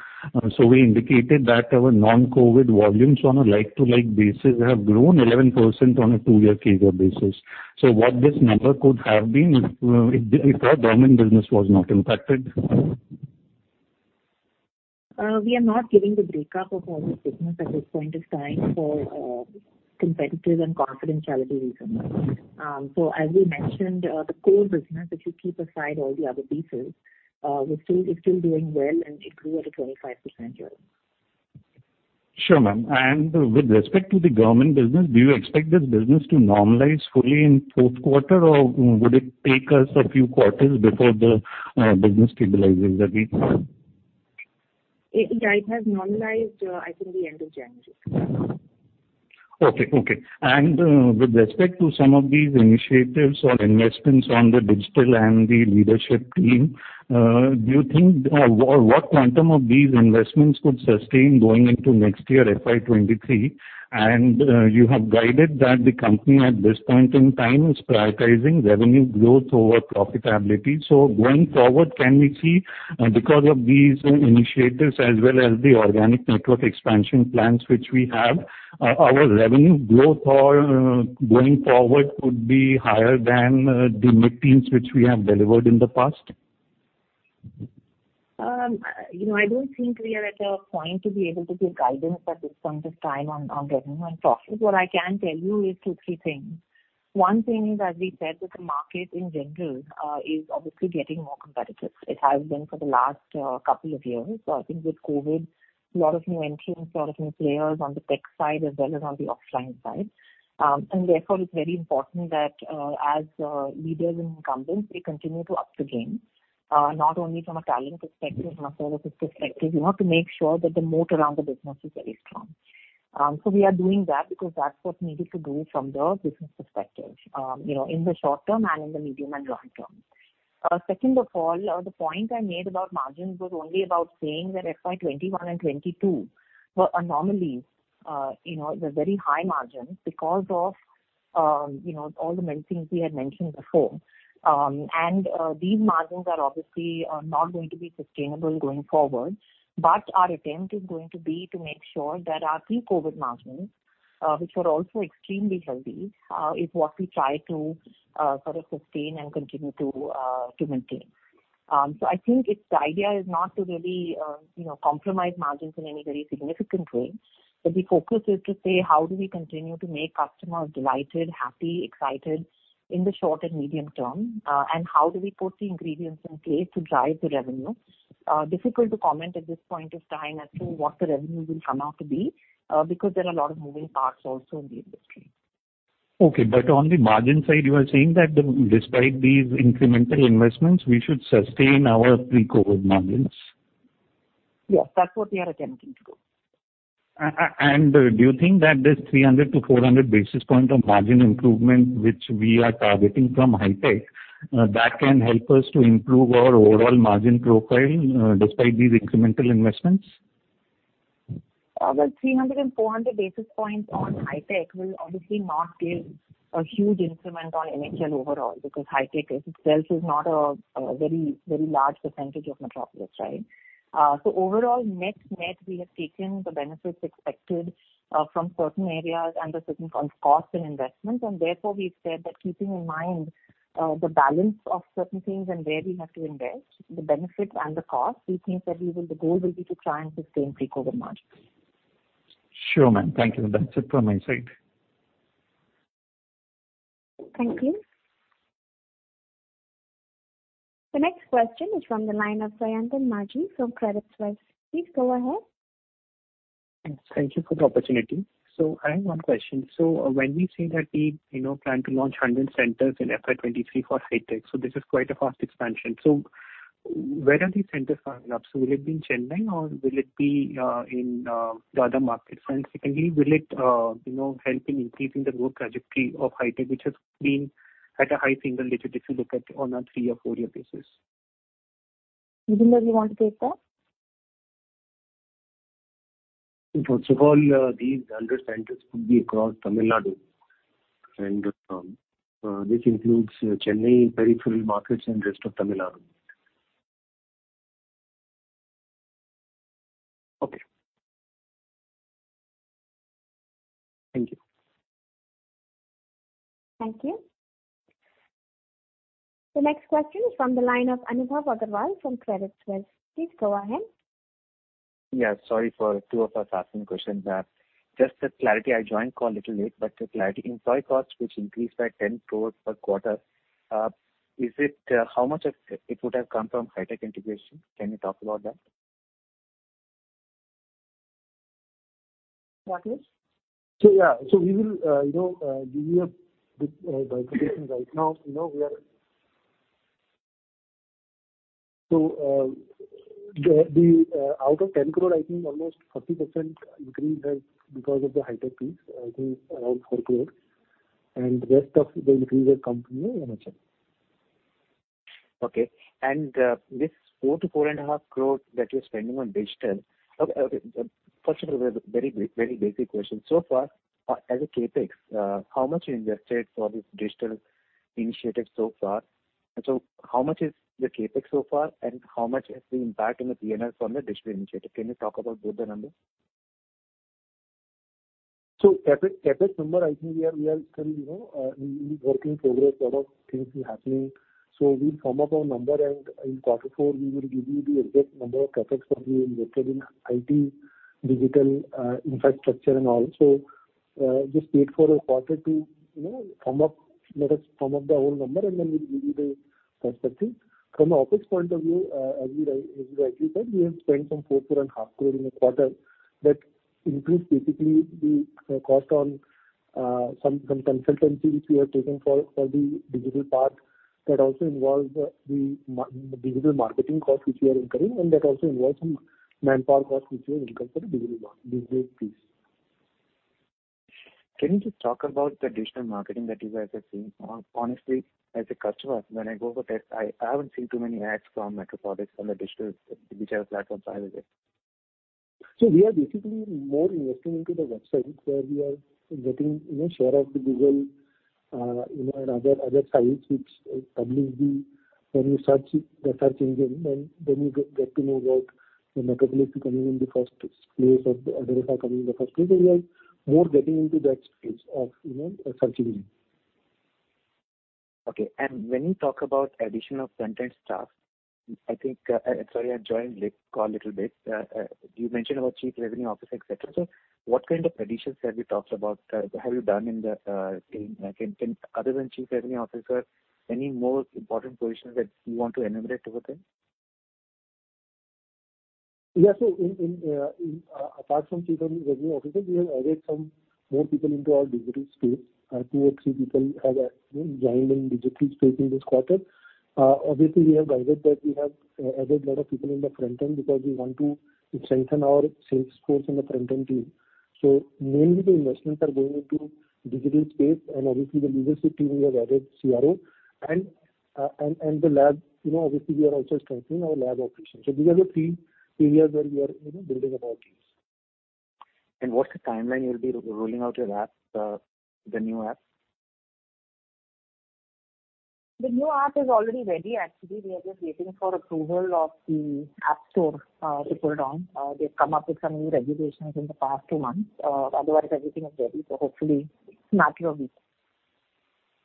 We indicated that our non-COVID volumes on a like-for-like basis have grown 11% on a two-year CAGR basis. What this number could have been, if the government business was not impacted? We are not giving the breakup of all this business at this point of time for competitive and confidentiality reasons. As we mentioned, the core business, if you keep aside all the other pieces, it's still doing well, and it grew at a 25% year-over-year. Sure, ma'am. With respect to the government business, do you expect this business to normalize fully in Q4 or would it take us a few quarters before the business stabilizes again? I think it has normalized by the end of January. With respect to some of these initiatives or investments on the digital and the leadership team, do you think what quantum of these investments could sustain going into next year, FY 2023? You have guided that the company at this point in time is prioritizing revenue growth over profitability. Going forward, can we see, because of these initiatives as well as the organic network expansion plans which we have, our revenue growth, going forward, could be higher than the mid-teens which we have delivered in the past? You know, I don't think we are at a point to be able to give guidance at this point of time on revenue and profits. What I can tell you is two, three things. One thing is, as we said, that the market in general is obviously getting more competitive. It has been for the last couple of years. I think with COVID, a lot of new entrants, a lot of new players on the tech side as well as on the offline side. And therefore it's very important that, as leaders and incumbents, we continue to up the game, not only from a talent perspective, from a services perspective. You have to make sure that the moat around the business is very strong. We are doing that because that's what's needed to do from the business perspective, you know, in the short term and in the medium and long term. Second of all, the point I made about margins was only about saying that FY 2021 and 2022 were anomalies. You know, they're very high margins because of, you know, all the many things we had mentioned before. These margins are obviously not going to be sustainable going forward. Our attempt is going to be to make sure that our pre-COVID margins, which were also extremely healthy, is what we try to sort of sustain and continue to maintain. I think the idea is not to really, you know, compromise margins in any very significant way. The focus is to say, how do we continue to make customers delighted, happy, excited in the short and medium term? How do we put the ingredients in place to drive the revenue? Difficult to comment at this point of time as to what the revenue will come out to be, because there are a lot of moving parts also in the industry. Okay. On the margin side, you are saying that, despite these incremental investments, we should sustain our pre-COVID margins. Yes, that's what we are attempting to do. Do you think that this 300-400 basis points of margin improvement which we are targeting from Hitech that can help us to improve our overall margin profile despite these incremental investments? The 300-400 basis points on Hitech will obviously not give a huge increment on MHL overall because Hitech is itself not a very large percentage of Metropolis, right? Overall net-net, we have taken the benefits expected from certain areas and the certain costs and investments, and therefore we've said that keeping in mind the balance of certain things and where we have to invest, the benefits and the cost, we think that the goal will be to try and sustain pre-COVID margins. Sure, ma'am. Thank you. That's it from my side. Thank you. The next question is from the line of Sayantan Maji from Credit Suisse. Please go ahead. Thanks. Thank you for the opportunity. I have one question. When we say that we, you know, plan to launch 100 centers in FY 2023 for Hitech, this is quite a fast expansion. Where are these centers coming up? Will it be in Chennai or will it be in the other markets? Secondly, will it, you know, help in increasing the growth trajectory of Hitech, which has been at a high single digit if you look at on a three or four-year basis? Vimal, you want to take that? First of all, these 100 centers could be across Tamil Nadu and this includes Chennai peripheral markets and rest of Tamil Nadu. Okay. Thank you. Thank you. The next question is from the line of Anubhav Agarwal from Credit Suisse. Please go ahead. Sorry for two of us asking questions. Just for clarity, I joined the call a little late. Employee costs which increased by 10 crore per quarter, how much of it would have come from Hitech integration? Can you talk about that? Marcus? Yeah. We will give you a bit by computation right now. Out of 10 crore, I think almost 40% increase was because of the Hitech piece. I think around 4 crore. Rest of the increase has come from MHL. Okay. This 4-4.5 crore that you're spending on digital. Okay. First of all, very, very basic question. So far, as a CapEx, how much you invested for this digital initiative so far? How much is the CapEx so far, and how much has the impact in the P&L from the digital initiative? Can you talk about both the numbers? CapEx number, I think we are still a work in progress. A lot of things are happening. We'll sum up our number and in quarter four we will give you the exact number of CapEx that we invested in IT, digital, infrastructure and all. Just wait for a quarter to sum up. Let us sum up the whole number, and then we'll give you the perspective. From the OpEx point of view, as you rightly said, we have spent some 4 crore-4.5 crore in the quarter. That includes basically the cost on some consultancy which we have taken for the digital part. That also involves the digital marketing cost which we are incurring, and that also involves some manpower cost which we have incurred for the digital piece. Can you just talk about the digital marketing that you guys are seeing? Honestly, as a customer, when I go for tests, I haven't seen too many ads from Metropolis on the digital platforms either way. We are basically more investing into the website where we are getting, you know, share of the Google, you know, and other sites which probably be when you search it, they are changing and then you get to know about the Metropolis is coming in the first place or the other lab coming in the first place. We are more getting into that space of, you know, searching. When you talk about addition of new staff, I think, sorry, I joined the call a little bit late. You mentioned about Chief Revenue Officer, et cetera. What kind of additions have you talked about, have you done in the team? Like, can other than Chief Revenue Officer, any more important positions that you want to enumerate over there? Yeah. In apart from Chief Revenue Officer, we have added some more people into our digital space. Two or three people have you know joined in digital space in this quarter. Obviously we have guided that we have added lot of people in the front end because we want to strengthen our sales force in the front end team. Mainly the investments are going into digital space and obviously the leadership team, we have added CRO and the lab you know obviously we are also strengthening our lab operations. These are the three areas where we are you know building up our teams. What's the timeline you'll be rolling out your app, the new app? The new app is already ready. Actually, we are just waiting for approval of the App Store to put it on. They've come up with some new regulations in the past two months. Otherwise everything is ready. Hopefully matter of weeks.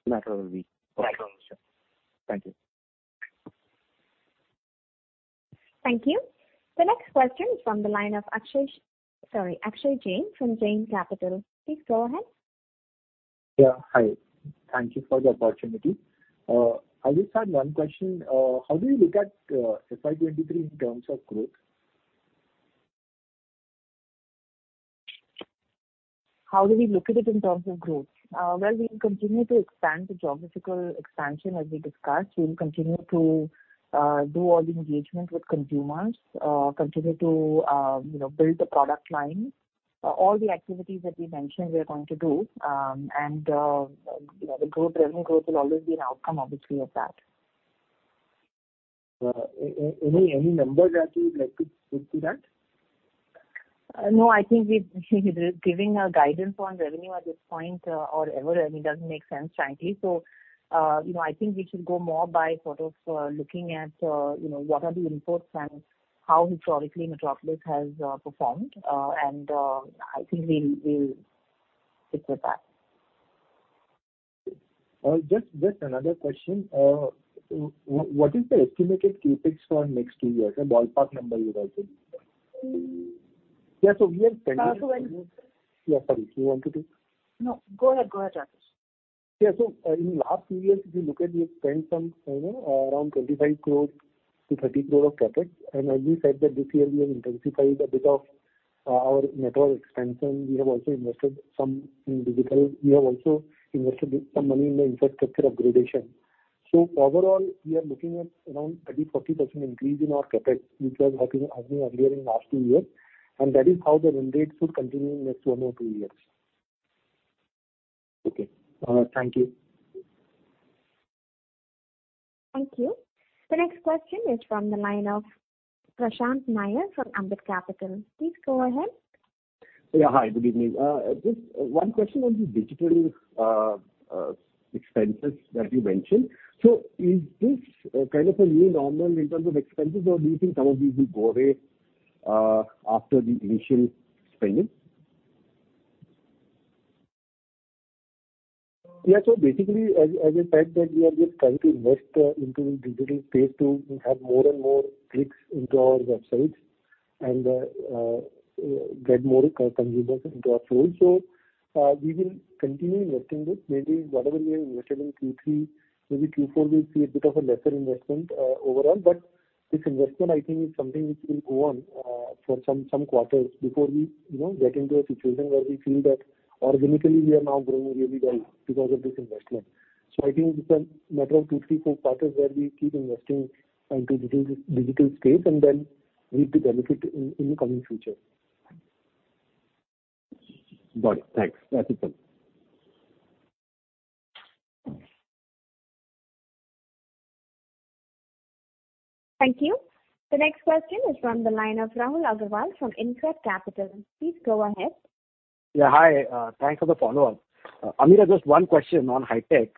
Matter of weeks. Matter of weeks. Thank you. Thank you. The next question is from the line of Akshay Jain from Jain Capital. Please go ahead. Yeah. Hi. Thank you for the opportunity. I just had one question. How do you look at FY 2023 in terms of growth? How do we look at it in terms of growth? Well, we continue to expand the geographical expansion as we discussed. We will continue to do all the engagement with consumers, continue to, you know, build the product line. All the activities that we mentioned we are going to do. You know the growth, revenue growth will always be an outcome obviously of that. Any number that you would like to put to that? No, I think we're giving a guidance on revenue at this point or ever, I mean, doesn't make sense frankly. You know, I think we should go more by sort of looking at, you know, what are the inputs and how historically Metropolis has performed. I think we'll stick with that. Just another question. What is the estimated CapEx for next two years? A ballpark number you are looking. Yeah. We are planning- So when- Yeah. Sorry. Do you want to take? No, go ahead. Go ahead, Rakesh Agarwal. Yeah. In last few years, if you look at, we have spent some, you know, around 25 crore-30 crore of CapEx. As we said that this year we have intensified a bit of our network expansion. We have also invested some in digital. We have also invested some money in the infrastructure upgradation. Overall, we are looking at around 30%-40% increase in our CapEx, which was happening as we earlier in last two years, and that is how the run rate should continue in next one or two years. Okay. Thank you. Thank you. The next question is from the line of Prashant Nair from Ambit Capital. Please go ahead. Yeah. Hi, good evening. Just one question on the digital expenses that you mentioned. Is this kind of a new normal in terms of expenses or do you think some of these will go away after the initial spending? Yeah. Basically as I said that we are just trying to invest into digital space to have more and more clicks into our websites and get more consumers into our fold. We will continue investing this. Maybe whatever we have invested in Q3, maybe Q4 we'll see a bit of a lesser investment overall. But this investment I think is something which will go on for some quarters before we, you know, get into a situation where we feel that organically we are now growing really well because of this investment. I think it's a matter of two, three, four quarters where we keep investing into digital space and then we need to benefit in the coming future. Got it. Thanks. That's it then. Thank you. The next question is from the line of Rahul Agarwal from InCred Capital. Please go ahead. Yeah. Hi, thanks for the follow-up. Ameera, just one question on Hitech.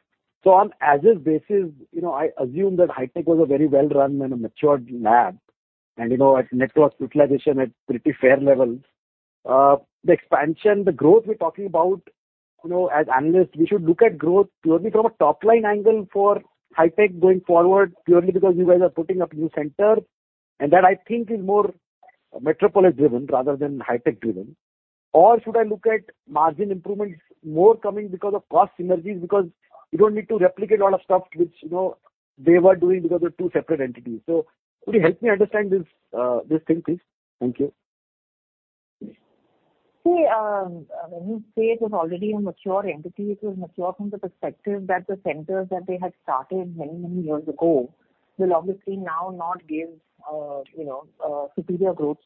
On as is basis, you know, I assume that Hitech was a very well run and a matured lab and, you know, its network utilization at pretty fair levels. The expansion, the growth we're talking about, you know, as analysts we should look at growth purely from a top line angle for Hitech going forward, purely because you guys are putting up new centers and that I think is more Metropolis driven rather than Hitech driven. Should I look at margin improvements more coming because of cost synergies because you don't need to replicate a lot of stuff which, you know, they were doing because they're two separate entities. Could you help me understand this thing, please? Thank you. See, when you say it was already a mature entity, it was mature from the perspective that the centers that they had started many, many years ago will obviously now not give, you know, superior growth,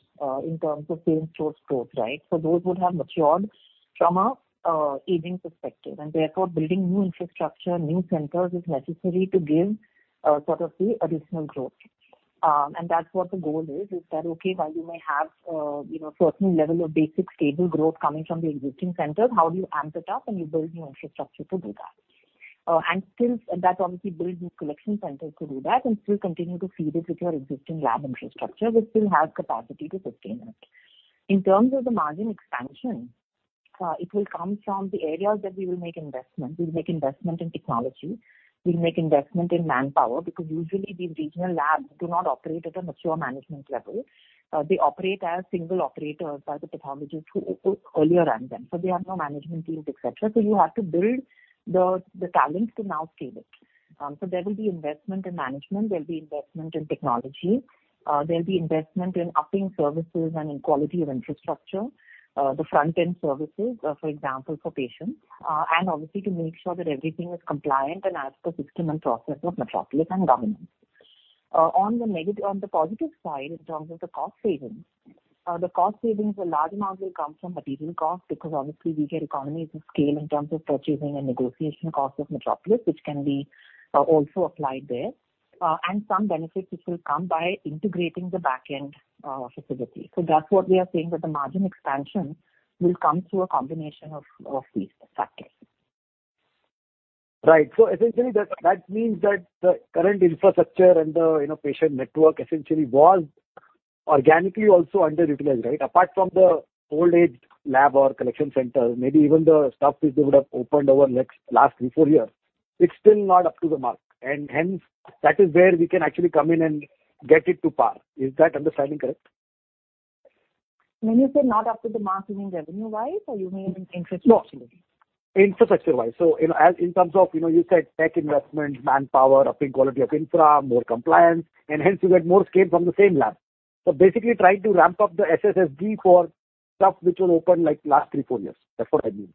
in terms of same-store growth, right? Those would have matured from an aging perspective and therefore building new infrastructure, new centers is necessary to give, sort of the additional growth. That's what the goal is that okay, while you may have, you know, certain level of basic stable growth coming from the existing centers, how do you amp it up and you build new infrastructure to do that. Still that obviously builds new collection centers to do that and still continue to feed it with your existing lab infrastructure which still has capacity to sustain it. In terms of the margin expansion, it will come from the areas that we will make investment. We'll make investment in technology. We'll make investment in manpower because usually these regional labs do not operate at a mature management level. They operate as single operators by the pathologists who earlier ran them. So they have no management teams, et cetera. You have to build the talent to now scale it. So there will be investment in management, there'll be investment in technology, there'll be investment in upping services and in quality of infrastructure, the front end services, for example for patients, and obviously to make sure that everything is compliant and as per system and process of Metropolis and government. On the positive side in terms of the cost savings, the cost savings a large amount will come from material cost because obviously we get economies of scale in terms of purchasing and negotiation cost of Metropolis which can be also applied there. Some benefits which will come by integrating the back end facilities. That's what we are saying that the margin expansion will come through a combination of these factors. Right. Essentially that means that the current infrastructure and the, you know, patient network essentially was organically also underutilized, right? Apart from the old-age labs or collection centers, maybe even the stuff which they would have opened over the last three, four years, it's still not up to the mark and hence that is where we can actually come in and get it up to par. Is that understanding correct? When you say not up to the mark, you mean revenue-wise or you mean in terms of facility? Infrastructure-wise. In, as in terms of, you know, you said tech investment, manpower, upping quality of infra, more compliance, and hence you get more scale from the same lab. Basically trying to ramp up the SSSG for stuff which was opened, like, last three, four years. That's what I mean.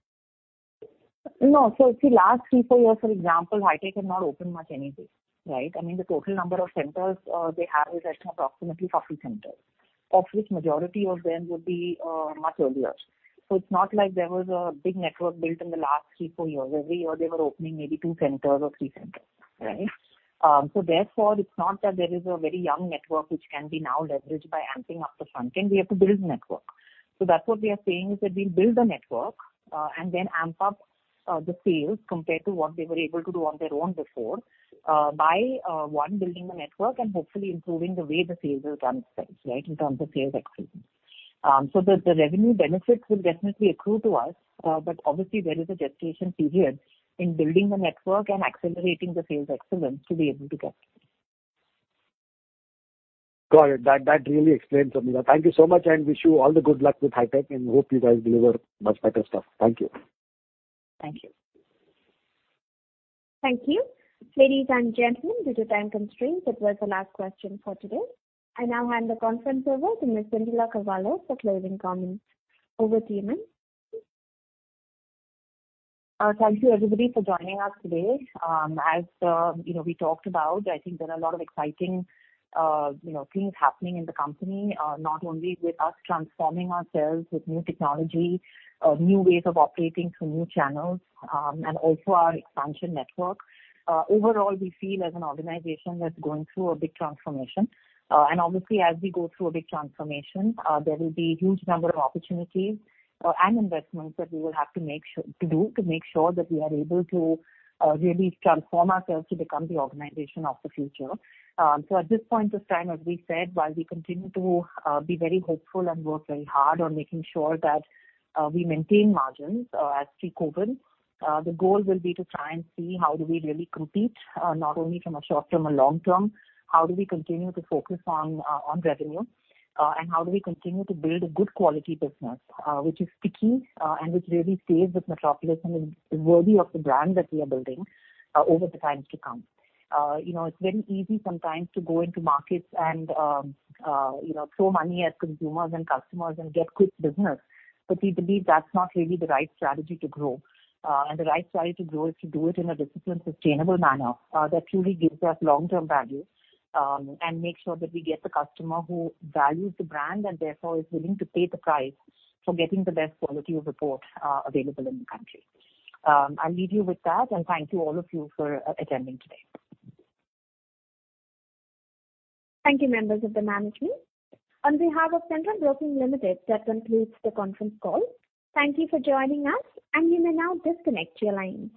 No. See, last three-four years, for example, Hitech has not opened much anything, right? I mean, the total number of centers they have is approximately 50 centers, of which majority of them would be much earlier. It's not like there was a big network built in the last three-four years. Every year they were opening maybe two centers or three centers, right? Therefore it's not that there is a very young network which can be now leveraged by amping up the front end. We have to build network. That's what we are saying, is that we'll build the network, and then amp up the sales compared to what they were able to do on their own before, by one, building the network and hopefully improving the way the sales are done itself, right, in terms of sales excellence. The revenue benefits will definitely accrue to us, but obviously there is a gestation period in building the network and accelerating the sales excellence to be able to get there. Got it. That really explains, Sandhya. Thank you so much, and I wish you all the good luck with Hitech, and I hope you guys deliver much better stuff. Thank you. Thank you. Thank you. Ladies and gentlemen, due to time constraints, that was the last question for today. I now hand the conference over to Ms. Sandhya Kavale for closing comments. Over to you, ma'am. Thank you everybody for joining us today. As you know, we talked about, I think there are a lot of exciting you know things happening in the company, not only with us transforming ourselves with new technology, new ways of operating through new channels, and also our expansion network. Overall, we feel as an organization that's going through a big transformation. Obviously as we go through a big transformation, there will be huge number of opportunities and investments that we will have to make to make sure that we are able to really transform ourselves to become the organization of the future. At this point of time, as we said, while we continue to be very hopeful and work very hard on making sure that we maintain margins as pre-COVID, the goal will be to try and see how do we really compete not only from a short-term or long term, how do we continue to focus on revenue, and how do we continue to build a good quality business which is sticky and which really stays with Metropolis and is worthy of the brand that we are building over the times to come. You know, it's very easy sometimes to go into markets and you know, throw money at consumers and customers and get quick business. We believe that's not really the right strategy to grow. The right strategy to grow is to do it in a disciplined, sustainable manner, that truly gives us long-term value, and makes sure that we get the customer who values the brand and therefore is willing to pay the price for getting the best quality of report, available in the country. I'll leave you with that, and thank you all of you for attending today. Thank you, members of the management. On behalf of Centrum Broking Limited, that concludes the conference call. Thank you for joining us, and you may now disconnect your lines.